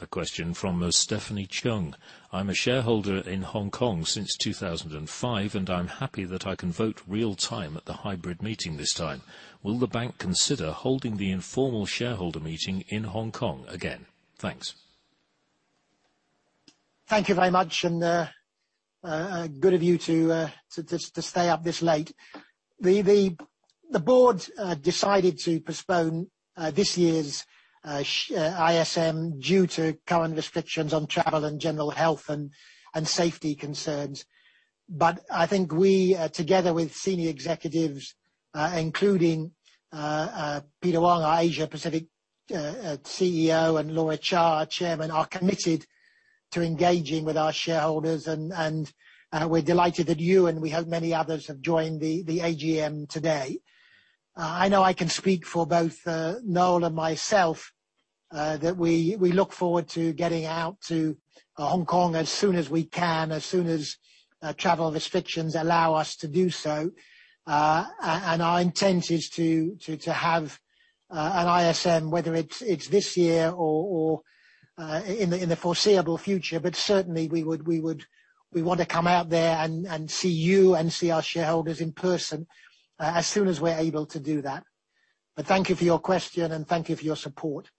A question from Stephanie Cheung. I'm a shareholder in Hong Kong since 2005. I'm happy that I can vote real-time at the hybrid meeting this time. Will the bank consider holding the informal shareholder meeting in Hong Kong again? Thanks. Thank you very much, and good of you to stay up this late. The board decided to postpone this year's ISM due to current restrictions on travel and general health and safety concerns. I think we, together with senior executives, including Peter Wong, Asia Pacific CEO, and [Noel cha], chairman, are committed to engaging with our shareholders, and we're delighted that you and we hope many others have joined the AGM today. I know I can speak for both Noel and myself that we look forward to getting out to Hong Kong as soon as we can, as soon as travel restrictions allow us to do so. Our intent is to have an ISM, whether it's this year or in the foreseeable future. Certainly, we want to come out there and see you and see our shareholders in person as soon as we're able to do that. Thank you for your question and thank you for your support.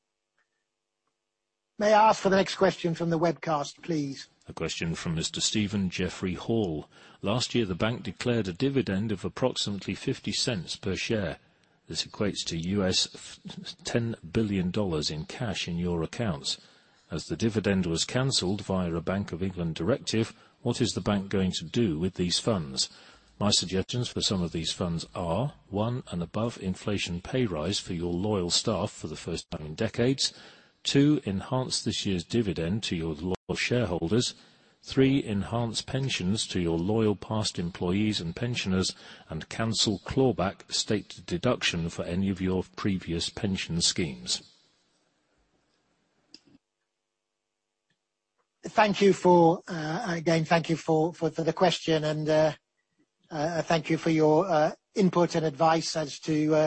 May I ask the next question from the webcast, please? A question from Mr. Steven Jeffrey Hall. Last year, the bank declared a dividend of approximately $0.50 per share. This equates to $10 billion in cash in your accounts. As the dividend was canceled via a Bank of England directive, what is the bank going to do with these funds? My suggestions for some of these funds are, one, an above-inflation pay rise for your loyal staff for the first time in decades. Two, enhance this year's dividend to your loyal shareholders. Three, enhance pensions to your loyal past employees and pensioners, and cancel clawback state deduction for any of your previous pension schemes. Again, thank you for the question, and thank you for your input and advice as to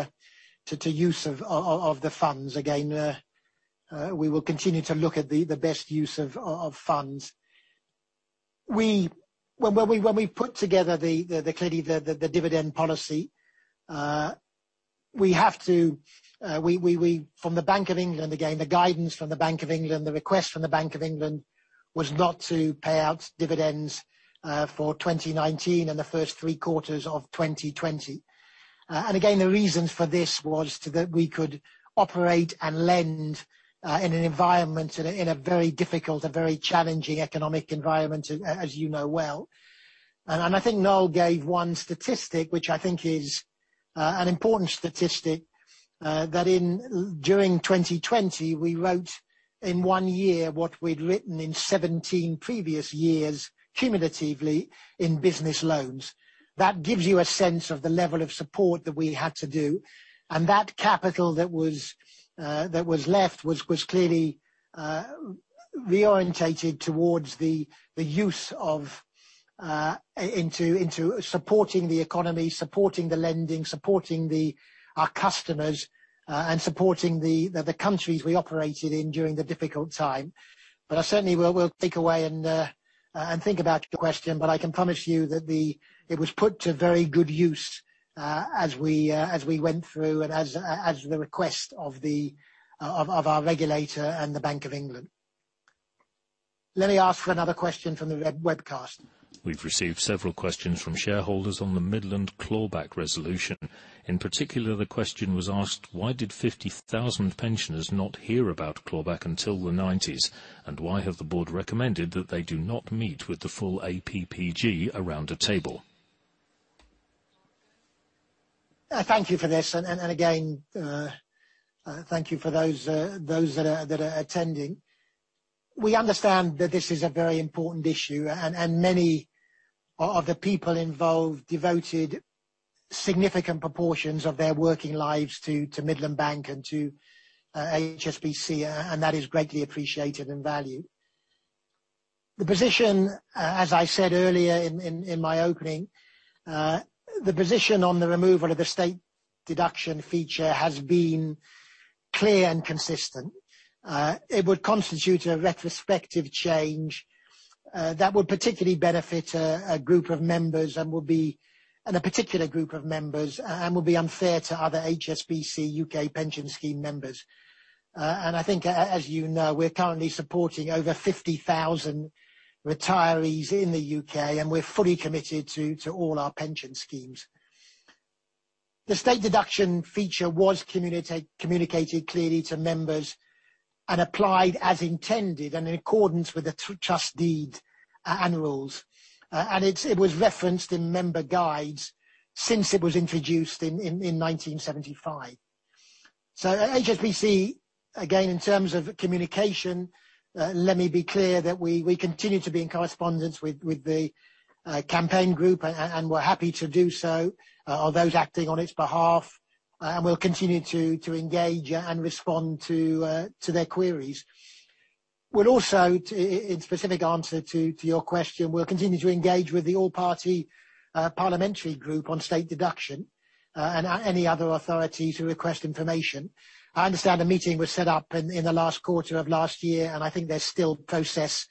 use of the funds. Again, we will continue to look at the best use of funds. When we put together clearly the dividend policy, from the Bank of England, again, the guidance from the Bank of England, the request from the Bank of England was not to pay out dividends for 2019 and the first three quarters of 2020. Again, the reason for this was that we could operate and lend in an environment, in a very difficult, a very challenging economic environment, as you know well. I think Noel gave one statistic, which I think is an important statistic, that during 2020, we wrote in one year what we'd written in 17 previous years cumulatively in business loans. That gives you a sense of the level of support that we had to do, and that capital that was left was clearly reorientated towards the use of into supporting the economy, supporting the lending, supporting our customers, and supporting the countries we operated in during the difficult time. Certainly, we'll take away and think about your question, but I can promise you that it was put to very good use as we went through and as the request of our regulator and the Bank of England. Let me ask for another question from the webcast. We've received several questions from shareholders on the Midland clawback resolution. In particular, the question was asked, why did 50,000 pensioners not hear about clawback until the '90s? Why has the board recommended that they do not meet with the full APPG around a table? Thank you for this. Thank you for those that are attending. We understand that this is a very important issue, and many of the people involved devoted significant proportions of their working lives to Midland Bank and to HSBC, and that is greatly appreciated and valued. The position, as I said earlier in my opening, the position on the removal of the state deduction feature has been clear and consistent. It would constitute a retrospective change that would particularly benefit a particular group of members and will be unfair to other HSBC UK pension scheme members. I think, as you know, we're currently supporting over 50,000 retirees in the U.K., and we're fully committed to all our pension schemes. The state deduction feature was communicated clearly to members and applied as intended and in accordance with the trust deed and rules. It was referenced in member guides since it was introduced in 1975. HSBC, again, in terms of communication, let me be clear that we continue to be in correspondence with the campaign group, and we're happy to do so, or those acting on its behalf, and we'll continue to engage and respond to their queries. We'll also, in specific answer to your question, we'll continue to engage with the All-Party Parliamentary Group on state deduction, and any other authority to request information. I understand a meeting was set up in the last quarter of last year, and I think there's still process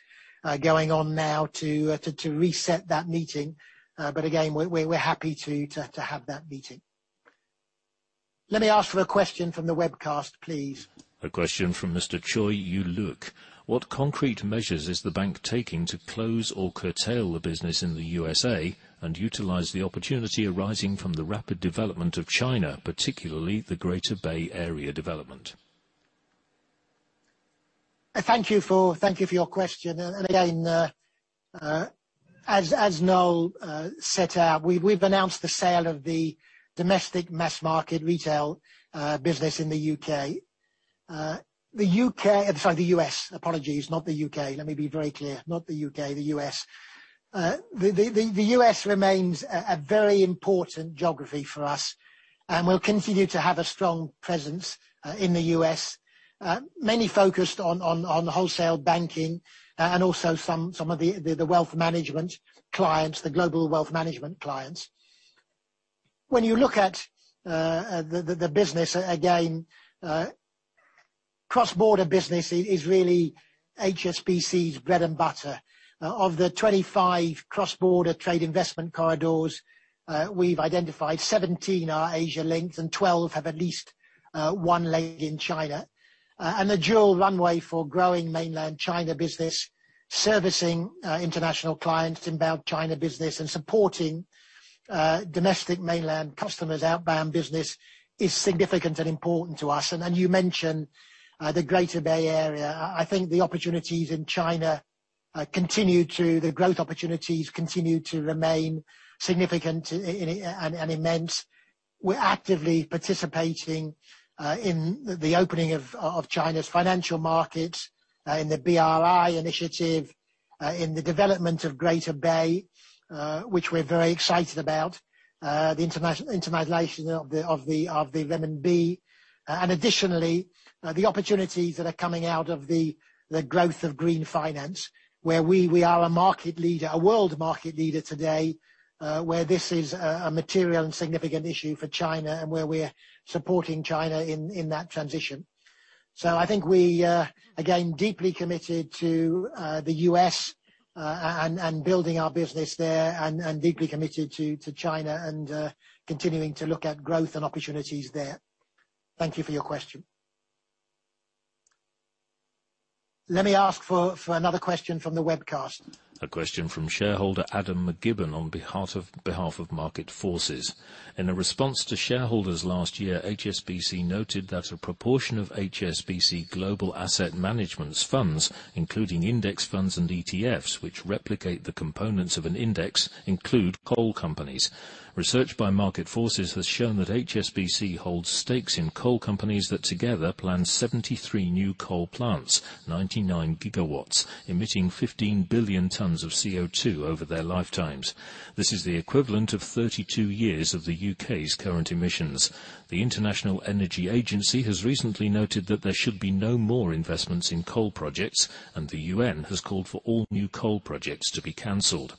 going on now to reset that meeting. Again, we're happy to have that meeting. Let me ask for a question from the webcast, please. A question from Mr. Choi Yu Luk. What concrete measures is the bank taking to close or curtail the business in the USA and utilize the opportunity arising from the rapid development of China, particularly the Greater Bay Area Development? Thank you for your question. Again, as Noel set out, we've announced the sale of the domestic mass-market retail business in the U.K. I'm sorry, the U.S. Apologies, not the U.K. Let me be very clear, not the U.K., the U.S. The U.S. remains a very important geography for us, and we'll continue to have a strong presence in the U.S., mainly focused on wholesale banking and also some of the wealth management clients, the global wealth management clients. When you look at the business, again, cross-border business is really HSBC's bread and butter. Of the 25 cross-border trade investment corridors we've identified, 17 are Asia linked and 12 have at least one leg in China. A dual runway for growing mainland China business, servicing international clients inbound China business, and supporting domestic mainland customers' outbound business is significant and important to us. You mentioned the Greater Bay Area. I think the opportunities in China, the growth opportunities continue to remain significant and immense. We're actively participating in the opening of China's financial markets in the BRI initiative, in the development of Greater Bay, which we're very excited about. The internationalization of the renminbi. Additionally, the opportunities that are coming out of the growth of green finance, where we are a market leader, a world market leader today, where this is a material and significant issue for China and where we are supporting China in that transition. I think we are, again, deeply committed to the U.S. and building our business there and deeply committed to China and continuing to look at growth and opportunities there. Thank you for your question. Let me ask for another question from the webcast. A question from shareholder Adam McGibbon on behalf of Market Forces. In a response to shareholders last year, HSBC noted that a proportion of HSBC Global Asset Management's funds, including index funds and ETFs, which replicate the components of an index, include coal companies. Research by Market Forces has shown that HSBC holds stakes in coal companies that together plan 73 new coal plants, 99 GW, emitting 15 billion tons of CO2 over their lifetimes. This is the equivalent of 32 years of the U.K.'s current emissions. The International Energy Agency has recently noted that there should be no more investments in coal projects, and the UN has called for all new coal projects to be canceled.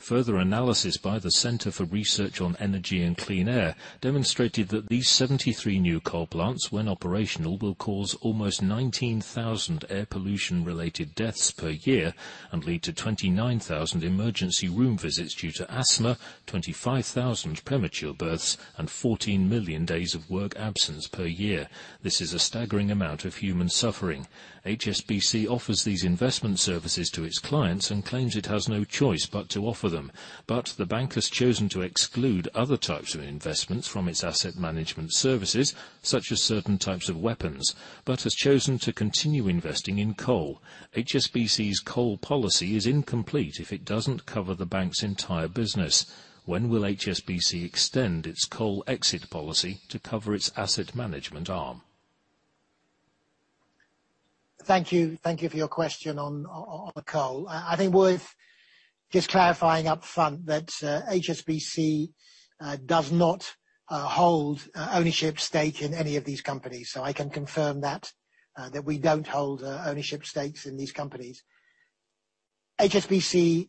Further analysis by the Centre for Research on Energy and Clean Air demonstrated that these 73 new coal plants, when operational, will cause almost 19,000 air pollution-related deaths per year and lead to 29,000 emergency room visits due to asthma, 25,000 premature births, and 14 million days of work absence per year. This is a staggering amount of human suffering. HSBC offers these investment services to its clients and claims it has no choice but to offer them. The bank has chosen to exclude other types of investments from its asset management services, such as certain types of weapons, but has chosen to continue investing in coal. HSBC's coal policy is incomplete if it doesn't cover the bank's entire business. When will HSBC extend its coal exit policy to cover its asset management arm? Thank you for your question on coal. I think worth just clarifying up front that HSBC does not hold ownership stake in any of these companies. I can confirm that we don't hold ownership stakes in these companies. HSBC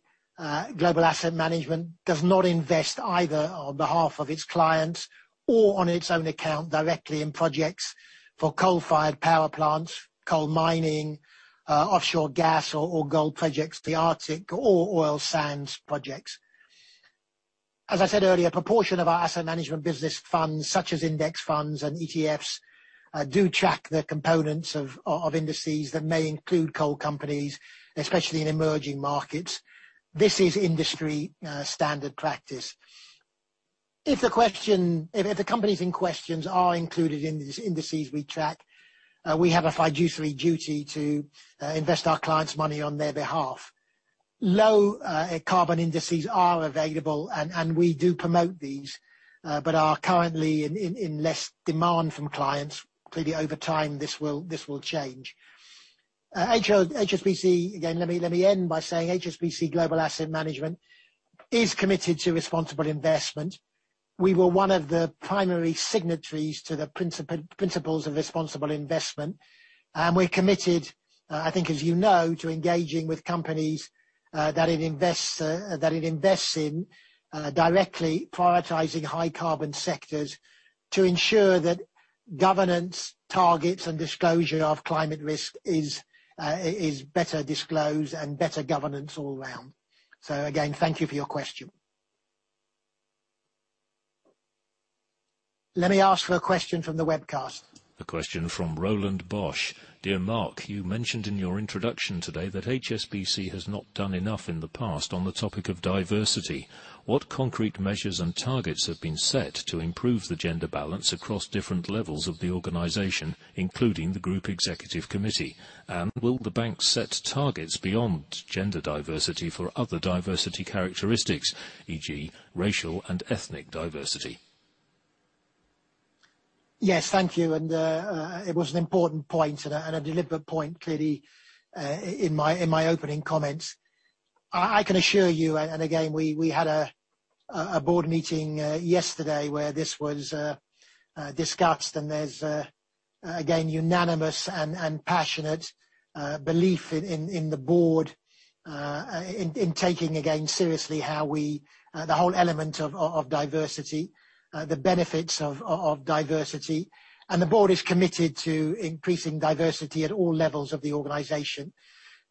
Global Asset Management does not invest either on behalf of its clients or on its own account directly in projects for coal-fired power plants, coal mining, offshore gas or gold projects, the Arctic or oil sands projects. As I said earlier, a proportion of our asset management business funds, such as index funds and ETFs, do track the components of indices that may include coal companies, especially in emerging markets. This is industry standard practice. If the companies in question are included in these indices we track, we have a fiduciary duty to invest our clients' money on their behalf. Low carbon indices are available, and we do promote these, but are currently in less demand from clients. Clearly over time, this will change. Let me end by saying HSBC Global Asset Management is committed to responsible investment. We were one of the primary signatories to the Principles for Responsible Investment. We're committed, I think as you know, to engaging with companies that it invests in directly prioritizing high carbon sectors to ensure that governance targets and disclosure of climate risk is better disclosed and better governance all around. Again, thank you for your question. Let me ask for a question from the webcast. A question from Roland Bosch. Dear Mark, you mentioned in your introduction today that HSBC has not done enough in the past on the topic of diversity. What concrete measures and targets have been set to improve the gender balance across different levels of the organization, including the Group Executive Committee? Will the bank set targets beyond gender diversity for other diversity characteristics, e.g., racial and ethnic diversity? Yes. Thank you. It was an important point and a deliberate point, clearly, in my opening comments. I can assure you, again, we had a board meeting yesterday where this was discussed, there's, again, unanimous and passionate belief in the board in taking again seriously the whole element of diversity, the benefits of diversity. The board is committed to increasing diversity at all levels of the organization.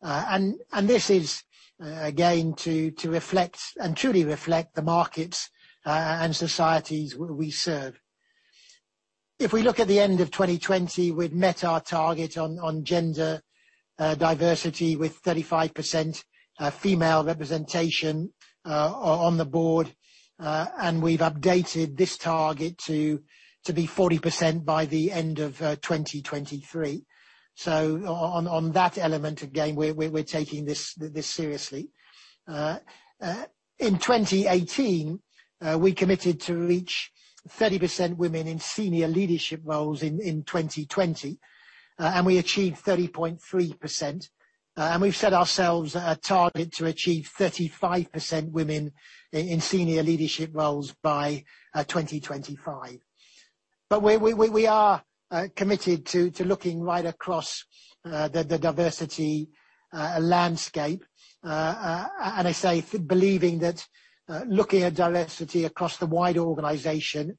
This is, again, to reflect and truly reflect the markets and societies we serve. If we look at the end of 2020, we've met our target on gender diversity with 35% female representation on the board, we've updated this target to be 40% by the end of 2023. On that element, again, we're taking this seriously. In 2018, we committed to reach 30% women in senior leadership roles in 2020, we achieved 30.3%. We've set ourselves a target to achieve 35% women in senior leadership roles by 2025. We are committed to looking right across the diversity landscape. As I say, believing that looking at diversity across the wide organization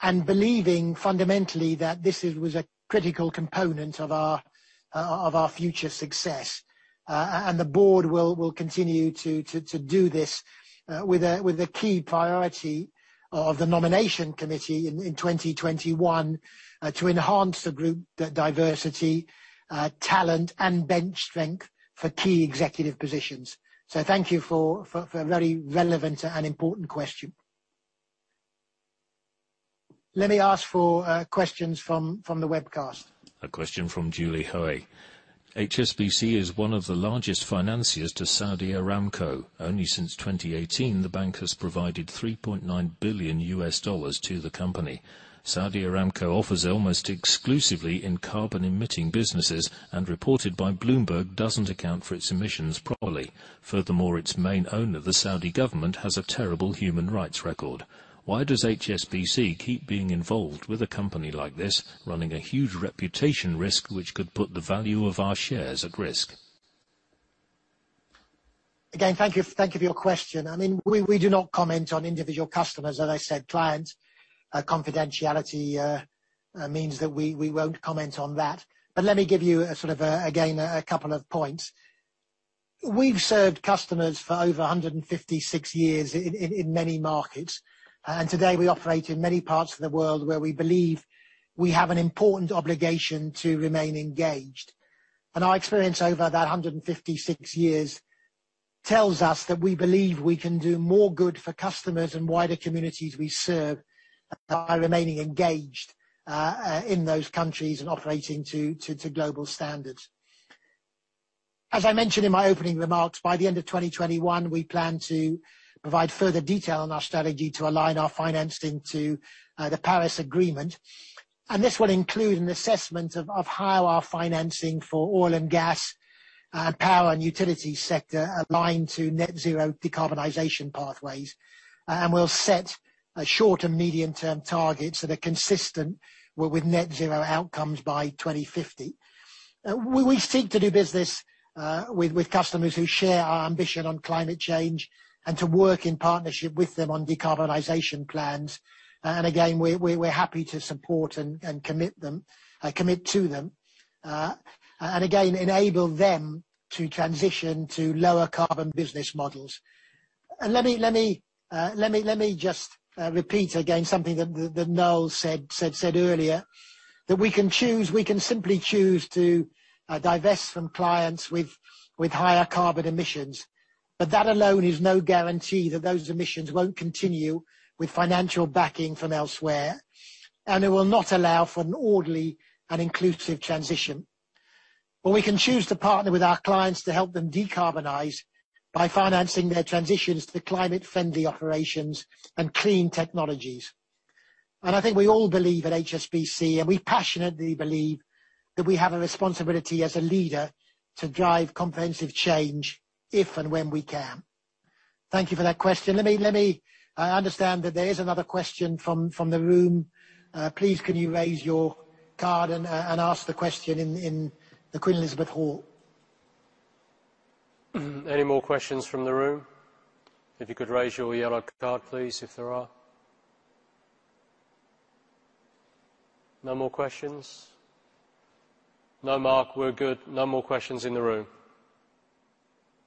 and believing fundamentally that this was a critical component of our future success. The board will continue to do this with a key priority of the Nomination Committee in 2021 to enhance the Group diversity, talent, and bench strength for key executive positions. Thank you for a very relevant and important question. Let me ask for questions from the webcast. A question from Julie Hoey. HSBC is one of the largest financiers to Saudi Aramco. Only since 2018, the bank has provided $3.9 billion to the company. Saudi Aramco operates almost exclusively in carbon-emitting businesses, and reported by Bloomberg, doesn't account for its emissions properly. Furthermore, its main owner, the Saudi government, has a terrible human rights record. Why does HSBC keep being involved with a company like this, running a huge reputation risk which could put the value of our shares at risk? Again, thank you for your question. We do not comment on individual customers. As I said, client confidentiality means that we won't comment on that. Let me give you, again, a couple of points. We've served customers for over 156 years in many markets. Today we operate in many parts of the world where we believe we have an important obligation to remain engaged. Our experience over that 156 years tells us that we believe we can do more good for customers and wider communities we serve by remaining engaged in those countries and operating to global standards. As I mentioned in my opening remarks, by the end of 2021, we plan to provide further detail on our strategy to align our financing to the Paris Agreement. This will include an assessment of how our financing for oil and gas, power and utility sector align to net-zero decarbonization pathways. We'll set short- and medium-term targets that are consistent with net-zero outcomes by 2050. We seek to do business with customers who share our ambition on climate change and to work in partnership with them on decarbonization plans. Again, we're happy to support and commit to them. Again, enable them to transition to lower carbon business models. Let me just repeat again something that Noel said earlier. That we can simply choose to divest from clients with higher carbon emissions. That alone is no guarantee that those emissions won't continue with financial backing from elsewhere, and it will not allow for an orderly and inclusive transition. We can choose to partner with our clients to help them decarbonize by financing their transitions to climate-friendly operations and clean technologies. I think we all believe at HSBC, and we passionately believe that we have a responsibility as a leader to drive comprehensive change if and when we can. Thank you for that question. I understand that there is another question from the room. Please, can you raise your card and ask the question in the Queen Elizabeth Hall? Any more questions from the room? If you could raise your yellow card, please, if there are. No more questions? No, Mark, we're good. No more questions in the room.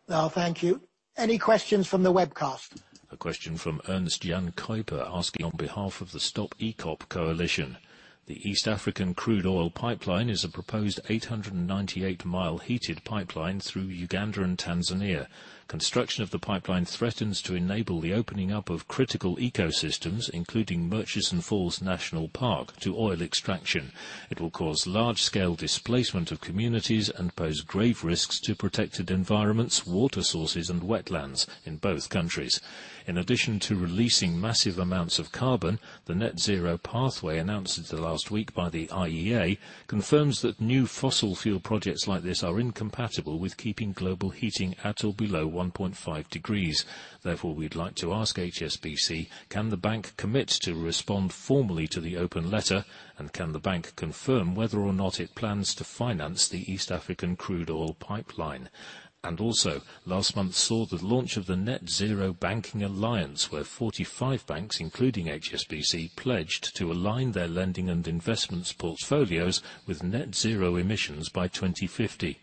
No, thank you. Any questions from the webcast? A question from Ernst-Jan Kuiper asking on behalf of the Stop EACOP Coalition. The East African Crude Oil Pipeline is a proposed 898-mile heated pipeline through Uganda and Tanzania. Construction of the pipeline threatens to enable the opening up of critical ecosystems, including Murchison Falls National Park, to oil extraction. It will cause large-scale displacement of communities and pose grave risks to protected environments, water sources, and wetlands in both countries. In addition to releasing massive amounts of carbon, the net zero pathway announced last week by the IEA confirms that new fossil fuel projects like this are incompatible with keeping global heating at or below 1.5 degrees. We'd like to ask HSBC, can the bank commit to respond formally to the open letter, and can the bank confirm whether or not it plans to finance the East African Crude Oil Pipeline? Last month saw the launch of the Net Zero Banking Alliance, where 45 banks, including HSBC, pledged to align their lending and investments portfolios with net zero emissions by 2050.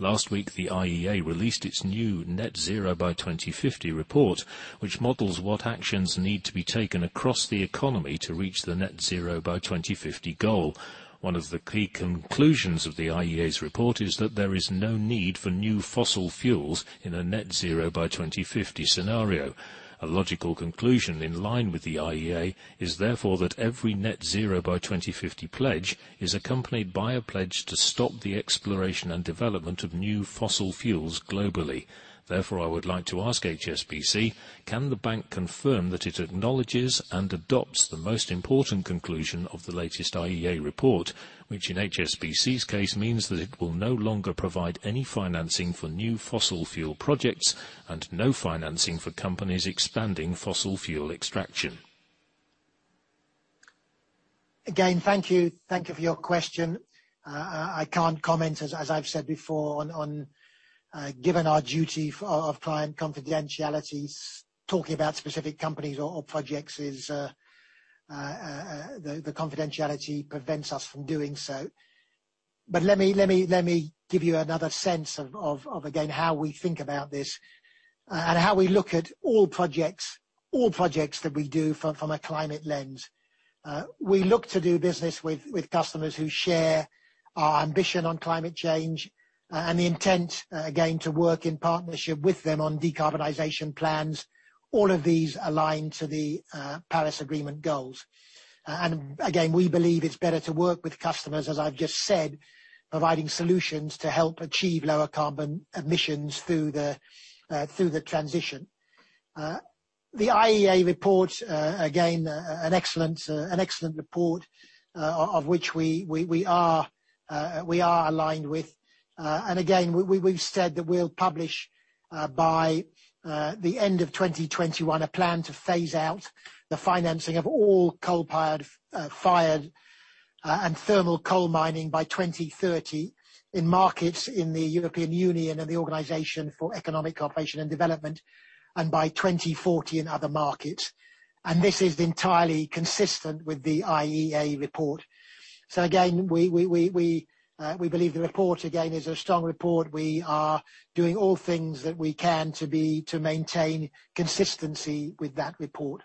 Last week, the IEA released its new Net Zero by 2050 report, which models what actions need to be taken across the economy to reach the Net Zero by 2050 goal. One of the key conclusions of the IEA's report is that there is no need for new fossil fuels in a Net Zero by 2050 scenario. A logical conclusion in line with the IEA is therefore that every Net Zero by 2050 pledge is accompanied by a pledge to stop the exploration and development of new fossil fuels globally. Therefore, I would like to ask HSBC, can the bank confirm that it acknowledges and adopts the most important conclusion of the latest IEA report, which in HSBC's case means that it will no longer provide any financing for new fossil fuel projects and no financing for companies expanding fossil fuel extraction? Again, thank you. Thank you for your question. I can't comment, as I've said before, given our duty of client confidentiality. Talking about specific companies or projects, the confidentiality prevents us from doing so. Let me give you another sense of, again, how we think about this and how we look at all projects that we do from a climate lens. We look to do business with customers who share our ambition on climate change and the intent, again, to work in partnership with them on decarbonization plans. All of these align to the Paris Agreement goals. Again, we believe it's better to work with customers, as I've just said, providing solutions to help achieve lower carbon emissions through the transition. The IEA report, again, an excellent report, of which we are aligned with. Again, we've said that we'll publish, by the end of 2021, a plan to phase out the financing of all coal-fired and thermal coal mining by 2030 in markets in the European Union and the Organisation for Economic Co-operation and Development, and by 2040 in other markets. This is entirely consistent with the IEA report. Again, we believe the report, again, is a strong report. We are doing all things that we can to maintain consistency with that report.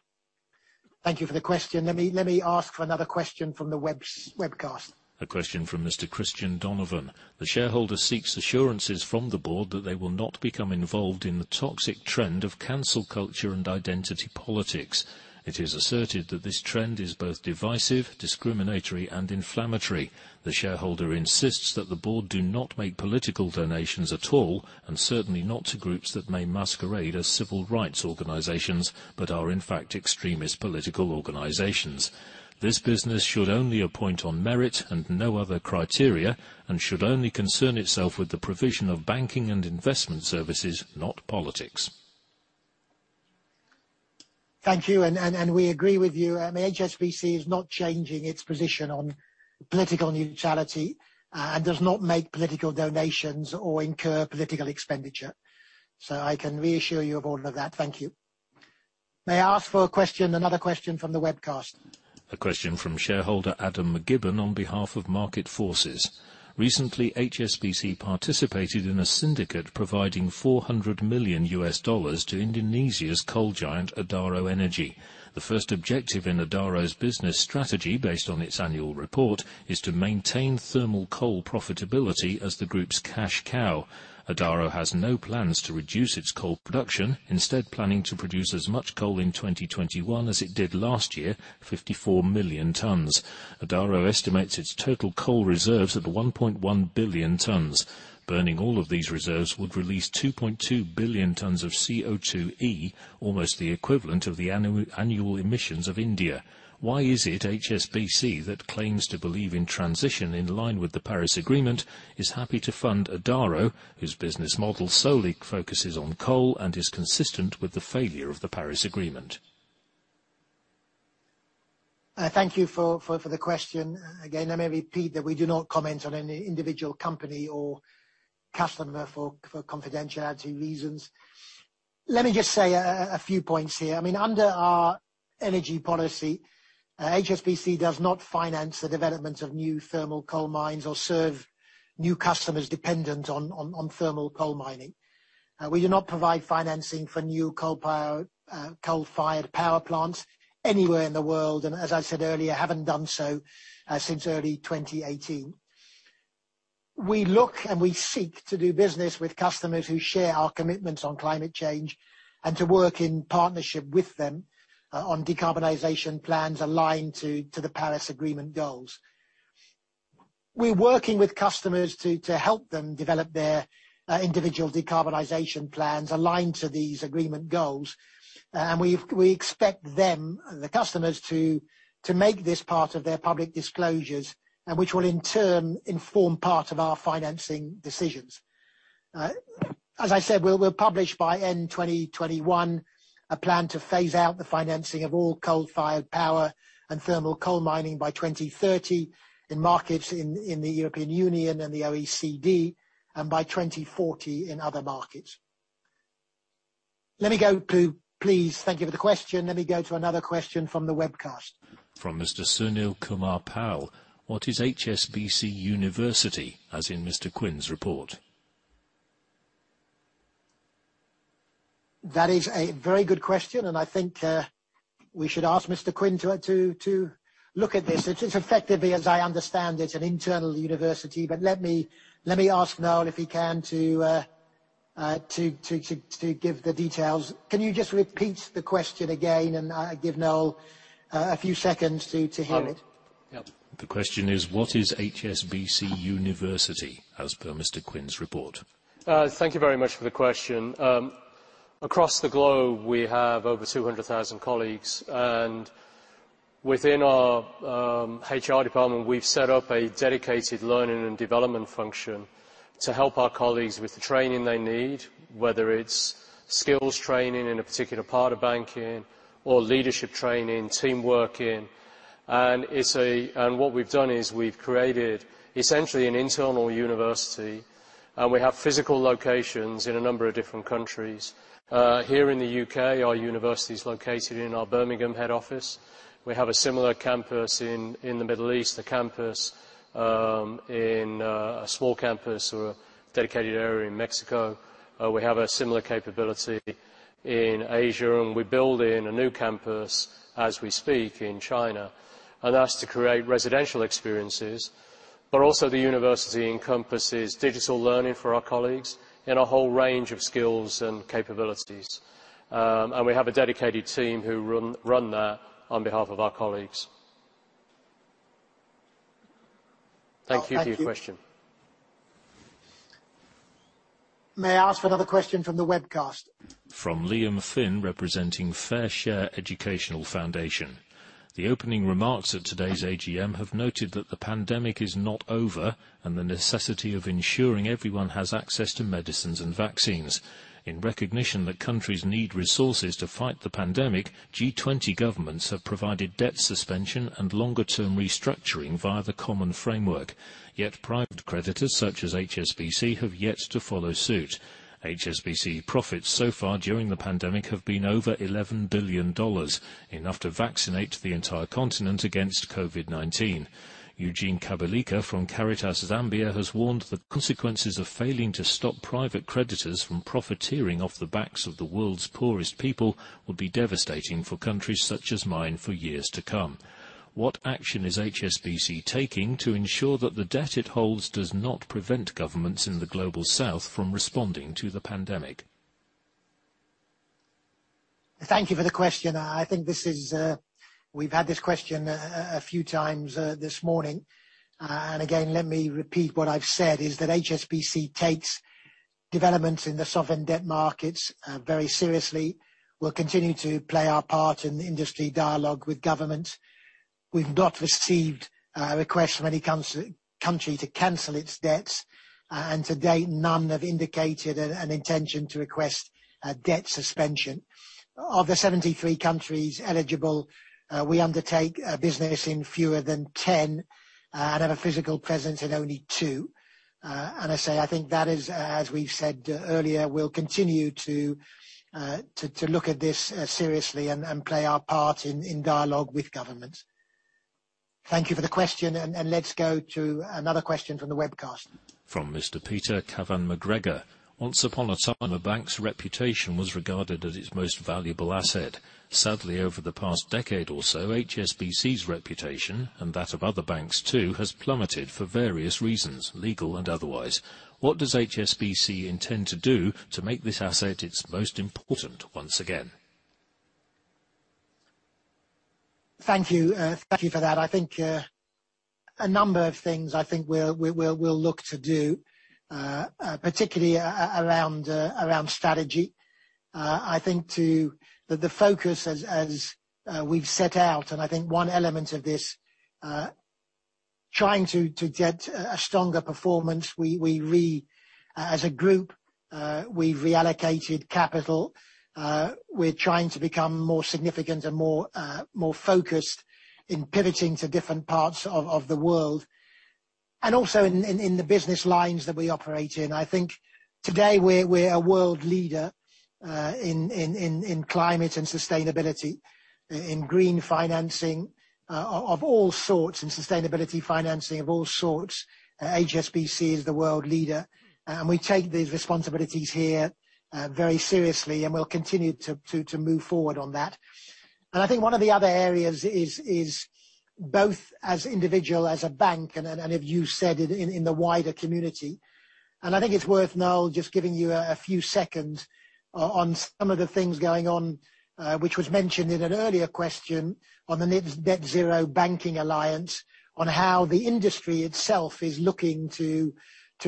Thank you for the question. Let me ask for another question from the webcast. A question from Mr. Christian Donovan. The shareholder seeks assurances from the board that they will not become involved in the toxic trend of cancel culture and identity politics. It is asserted that this trend is both divisive, discriminatory, and inflammatory. The shareholder insists that the board do not make political donations at all, and certainly not to groups that may masquerade as civil rights organizations, but are in fact extremist political organizations. This business should only appoint on merit and no other criteria, and should only concern itself with the provision of banking and investment services, not politics. Thank you. We agree with you. HSBC is not changing its position on political neutrality and does not make political donations or incur political expenditure. I can reassure your board of that. Thank you. May I ask for a question, another question from the webcast. A question from shareholder Adam McGibbon on behalf of Market Forces. Recently, HSBC participated in a syndicate providing $400 million to Indonesia's coal giant Adaro Energy. The first objective in Adaro's business strategy, based on its annual report, is to maintain thermal coal profitability as the group's cash cow. Adaro has no plans to reduce its coal production, instead planning to produce as much coal in 2021 as it did last year, 54 million tons. Adaro estimates its total coal reserves at 1.1 billion tons. Burning all of these reserves would release 2.2 billion tons of CO2e, almost the equivalent of the annual emissions of India. Why is it HSBC that claims to believe in transition in line with the Paris Agreement is happy to fund Adaro, whose business model solely focuses on coal and is consistent with the failure of the Paris Agreement? Thank you for the question. Again, maybe, [Pete], we do not comment on any individual company or customer for confidentiality reasons. Let me just say a few points here. Under our energy policy, HSBC does not finance the development of new thermal coal mines or serve new customers dependent on thermal coal mining. We do not provide financing for new coal-fired power plants anywhere in the world, and as I said earlier, haven't done so since early 2018. We look and we seek to do business with customers who share our commitments on climate change and to work in partnership with them on decarbonization plans aligned to the Paris Agreement goals. We're working with customers to help them develop their individual decarbonization plans aligned to these agreement goals, and we expect them, the customers, to make this part of their public disclosures, and which will in turn inform part of our financing decisions. As I said, we'll publish by end 2021 a plan to phase out the financing of all coal-fired power and thermal coal mining by 2030 in markets in the European Union and the OECD, and by 2040 in other markets. Let me go to, please, thank you for the question. Let me go to another question from the webcast. From Mr. Sunil Kumar Pal. What is HSBC University, as in Mr. Quinn's report? That is a very good question. I think we should ask Mr. Quinn to look at this. It is effectively, as I understand, it's an internal HSBC University. Let me ask Noel if he can to give the details. Can you just repeat the question again and give Noel a few seconds to hear it? The question is, what is HSBC University, as per Mr. Quinn's report? Thank you very much for the question. Across the globe, we have over 200,000 colleagues, and within our HR department, we've set up a dedicated learning and development function to help our colleagues with the training they need, whether it's skills training in a particular part of banking or leadership training, teamworking. What we've done is we've created essentially an internal University, and we have physical locations in a number of different countries. Here in the U.K., our University is located in our Birmingham head office. We have a similar campus in the Middle East, a small campus or a dedicated area in Mexico. We have a similar capability in Asia, and we're building a new campus as we speak in China. That's to create residential experiences. Also the University encompasses digital learning for our colleagues in a whole range of skills and capabilities. We have a dedicated team who run that on behalf of our colleagues. Thank you. Thank you for your question. May I ask another question from the webcast? From Liam Flynn, representing Fair Share Education Foundation. The opening remarks at today's AGM have noted that the pandemic is not over and the necessity of ensuring everyone has access to medicines and vaccines. In recognition that countries need resources to fight the pandemic, G20 governments have provided debt suspension and longer-term restructuring via the Common Framework. Private creditors such as HSBC have yet to follow suit. HSBC profits so far during the pandemic have been over $11 billion, enough to vaccinate the entire continent against COVID-19. Eugene Kabilika from Caritas Zambia has warned the consequences of failing to stop private creditors from profiteering off the backs of the world's poorest people would be devastating for countries such as mine for years to come. What action is HSBC taking to ensure that the debt it holds does not prevent governments in the Global South from responding to the pandemic? Thank you for the question. We've had this question a few times this morning. Again, let me repeat what I've said, is that HSBC takes developments in the sovereign debt markets very seriously. We'll continue to play our part in industry dialogue with governments. We've not received requests from any country to cancel its debts, and to date, none have indicated an intention to request a debt suspension. Of the 73 countries eligible, we undertake business in fewer than 10 and have a physical presence in only two. I say, I think that is, as we've said earlier, we'll continue to look at this seriously and play our part in dialogue with governments. Thank you for the question. Let's go to another question from the webcast. From Mr. Peter Cavan-McGregor. Once upon a time, a bank's reputation was regarded as its most valuable asset. Sadly, over the past decade or so, HSBC's reputation, and that of other banks too, has plummeted for various reasons, legal and otherwise. What does HSBC intend to do to make this asset its most important once again? Thank you for that. A number of things we'll look to do, particularly around strategy. The focus as we've set out, trying to get a stronger performance. As a group, we've reallocated capital. We're trying to become more significant and more focused in pivoting to different parts of the world. Also in the business lines that we operate in. Today we're a world leader in climate and sustainability, in green financing of all sorts and sustainability financing of all sorts. HSBC is the world leader, we take these responsibilities here very seriously, and we'll continue to move forward on that. One of the other areas is both as individual, as a bank and you said in the wider community. I think it's worth, Noel, just giving you a few seconds on some of the things going on, which was mentioned in an earlier question on the Net Zero Banking Alliance, on how the industry itself is looking to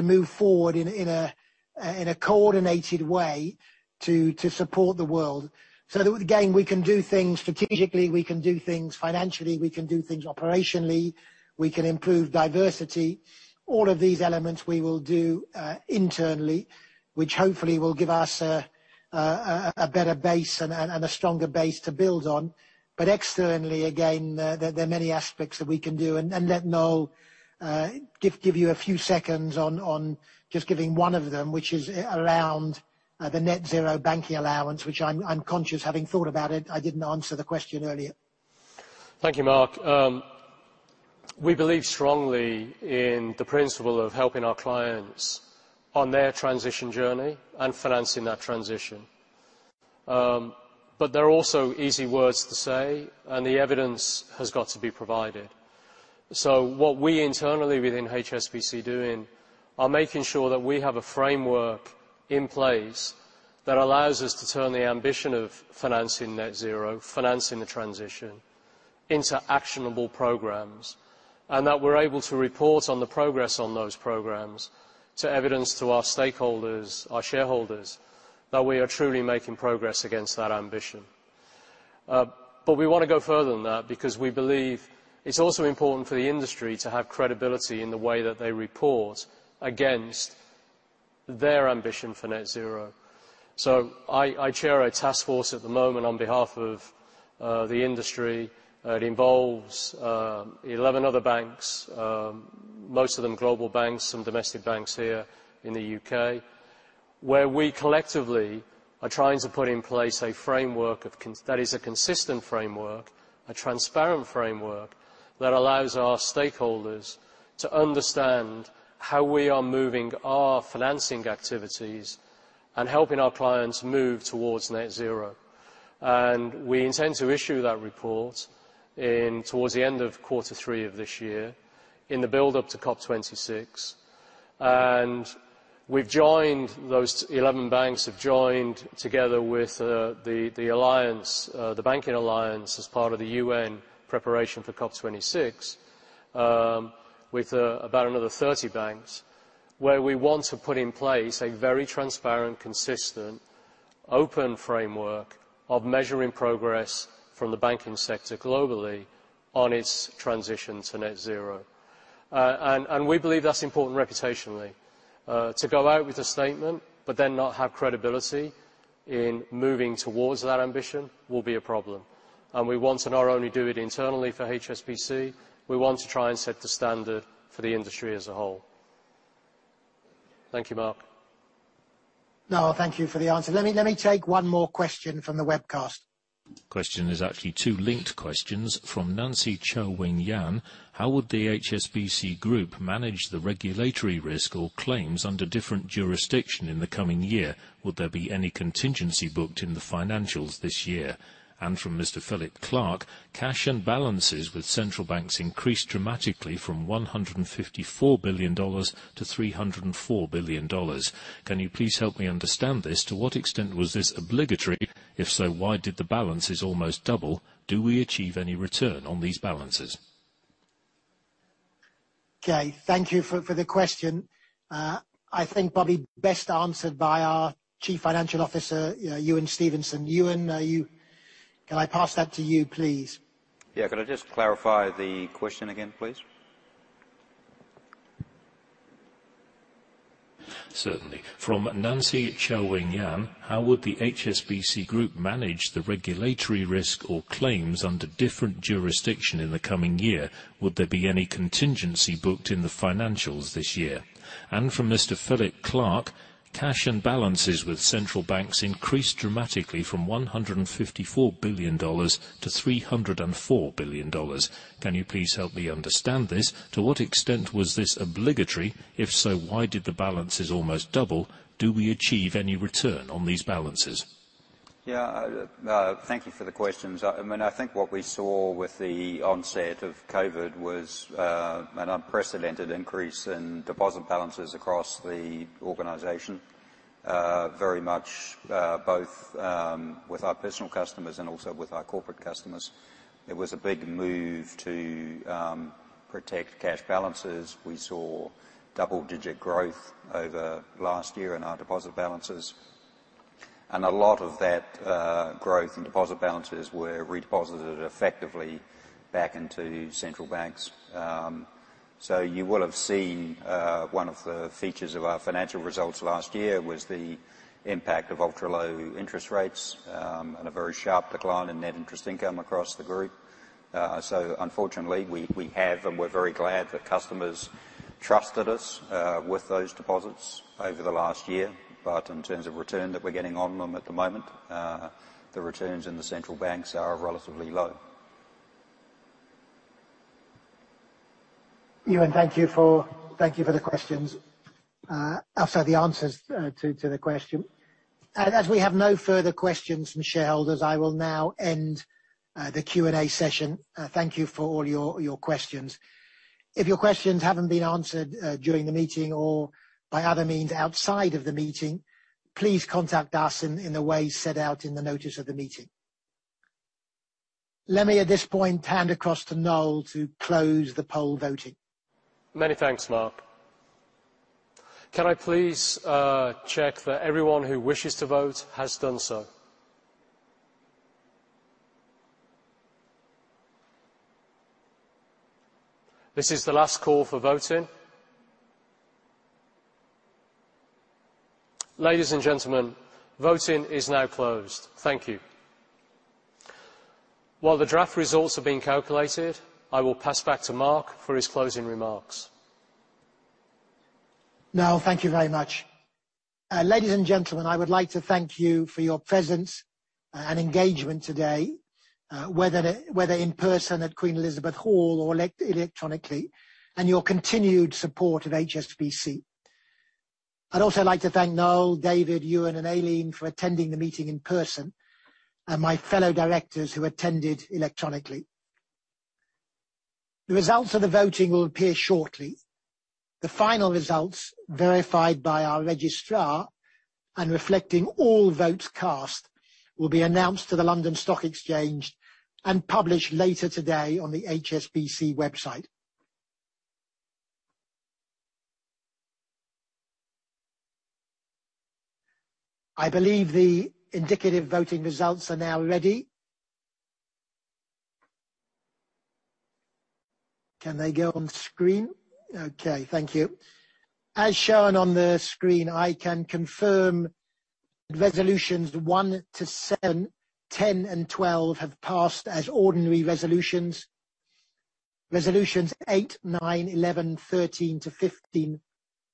move forward in a coordinated way to support the world. Again, we can do things strategically, we can do things financially, we can do things operationally, we can improve diversity. All of these elements we will do internally, which hopefully will give us a better base and a stronger base to build on. Externally, again, there are many aspects that we can do. Let Noel give you a few seconds on just giving one of them, which is around the Net Zero Banking Alliance, which I'm conscious, having thought about it, I didn't answer the question earlier. Thank you, Mark. We believe strongly in the principle of helping our clients on their transition journey and financing that transition. They're also easy words to say, and the evidence has got to be provided. What we internally within HSBC doing are making sure that we have a framework in place that allows us to turn the ambition of financing Net Zero, financing the transition into actionable programs, and that we're able to report on the progress on those programs to evidence to our stakeholders, our shareholders, that we are truly making progress against that ambition. We want to go further than that because we believe it's also important for the industry to have credibility in the way that they report against their ambition for Net Zero. I chair a task force at the moment on behalf of the industry that involves 11 other banks, most of them global banks, some domestic banks here in the U.K., where we collectively are trying to put in place a framework that is a consistent framework, a transparent framework that allows our stakeholders to understand how we are moving our financing activities and helping our clients move towards Net Zero. We intend to issue that report towards the end of quarter 3 of this year in the build-up to COP26. Those 11 banks have joined together with the Banking Alliance as part of the UN preparation for COP26, with about another 30 banks, where we want to put in place a very transparent, consistent, open framework of measuring progress from the banking sector globally on its transition to Net Zero. We believe that's important reputationally. To go out with a statement but then not have credibility in moving toward that ambition will be a problem. We want to not only do it internally for HSBC, we want to try and set the standard for the industry as a whole. Thank you, Mark. No, thank you for the answer. Let me take one more question from the webcast. Question is actually two linked questions from Nancy Cho Wing Yan. How would the HSBC Group manage the regulatory risk or claims under different jurisdiction in the coming year? Would there be any contingency booked in the financials this year? From Mr. Philip Clark, cash and balances with central banks increased dramatically from $154 billion-$304 billion. Can you please help me understand this? To what extent was this obligatory? If so, why did the balances almost double? Do we achieve any return on these balances? Okay, thank you for the question. I think probably best answered by our Chief Financial Officer, Ewen Stevenson. Ewen, can I pass that to you, please? Yeah. Could I just clarify the question again, please? Certainly. From Nancy Cho Wing Yan, how would the HSBC Group manage the regulatory risk or claims under different jurisdiction in the coming year? Would there be any contingency booked in the financials this year? From Mr. Philip Clark, cash and balances with central banks increased dramatically from $154 billion-$304 billion. Can you please help me understand this? To what extent was this obligatory? If so, why did the balances almost double? Do we achieve any return on these balances? Thank you for the questions. I think what we saw with the onset of COVID was an unprecedented increase in deposit balances across the organization very much both with our personal customers and also with our corporate customers. It was a big move to protect cash balances. We saw double-digit growth over last year in our deposit balances, and a lot of that growth in deposit balances were reposited effectively back into central banks. You will have seen one of the features of our financial results last year was the impact of ultra-low interest rates and a very sharp decline in net interest income across the group. Unfortunately, we're very glad that customers trusted us with those deposits over the last year. In terms of return that we're getting on them at the moment, the returns in the central banks are relatively low. Ewen, thank you for the questions. I'll have the answers to the question. As we have no further questions from shareholders, I will now end the Q&A session. Thank you for all your questions. If your questions haven't been answered during the meeting or by other means outside of the meeting, please contact us in a way set out in the notice of the meeting. Let me at this point hand across to Noel to close the poll voting. Many thanks, Mark. Can I please check that everyone who wishes to vote has done so? This is the last call for voting. Ladies and gentlemen, voting is now closed. Thank you. While the draft results are being calculated, I will pass back to Mark for his closing remarks. Noel, thank you very much. Ladies and gentlemen, I would like to thank you for your presence and engagement today, whether in person at Queen Elizabeth Hall or electronically, and your continued support of HSBC. I'd also like to thank Noel, David, Ewen, and Aileen for attending the meeting in person, and my fellow directors who attended electronically. The results of the voting will appear shortly. The final results, verified by our registrar and reflecting all votes cast, will be announced to the London Stock Exchange and published later today on the HSBC website. I believe the indicative voting results are now ready. Can they go on screen? Okay, thank you. As shown on the screen, I can confirm resolutions 1-7, 10, and 12 have passed as ordinary resolutions. Resolutions 8, 9, 11, 13-15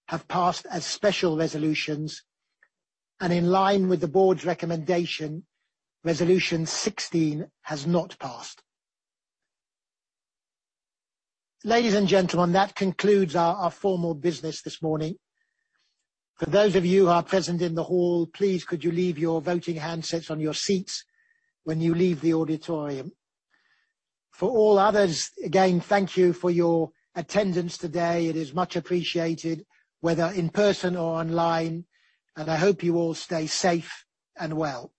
have passed as special resolutions. In line with the board's recommendation, resolution 16 has not passed. Ladies and gentlemen, that concludes our formal business this morning. For those of you who are present in the hall, please could you leave your voting handsets on your seats when you leave the auditorium. For all others, again, thank you for your attendance today. It is much appreciated, whether in person or online, and I hope you all stay safe and well.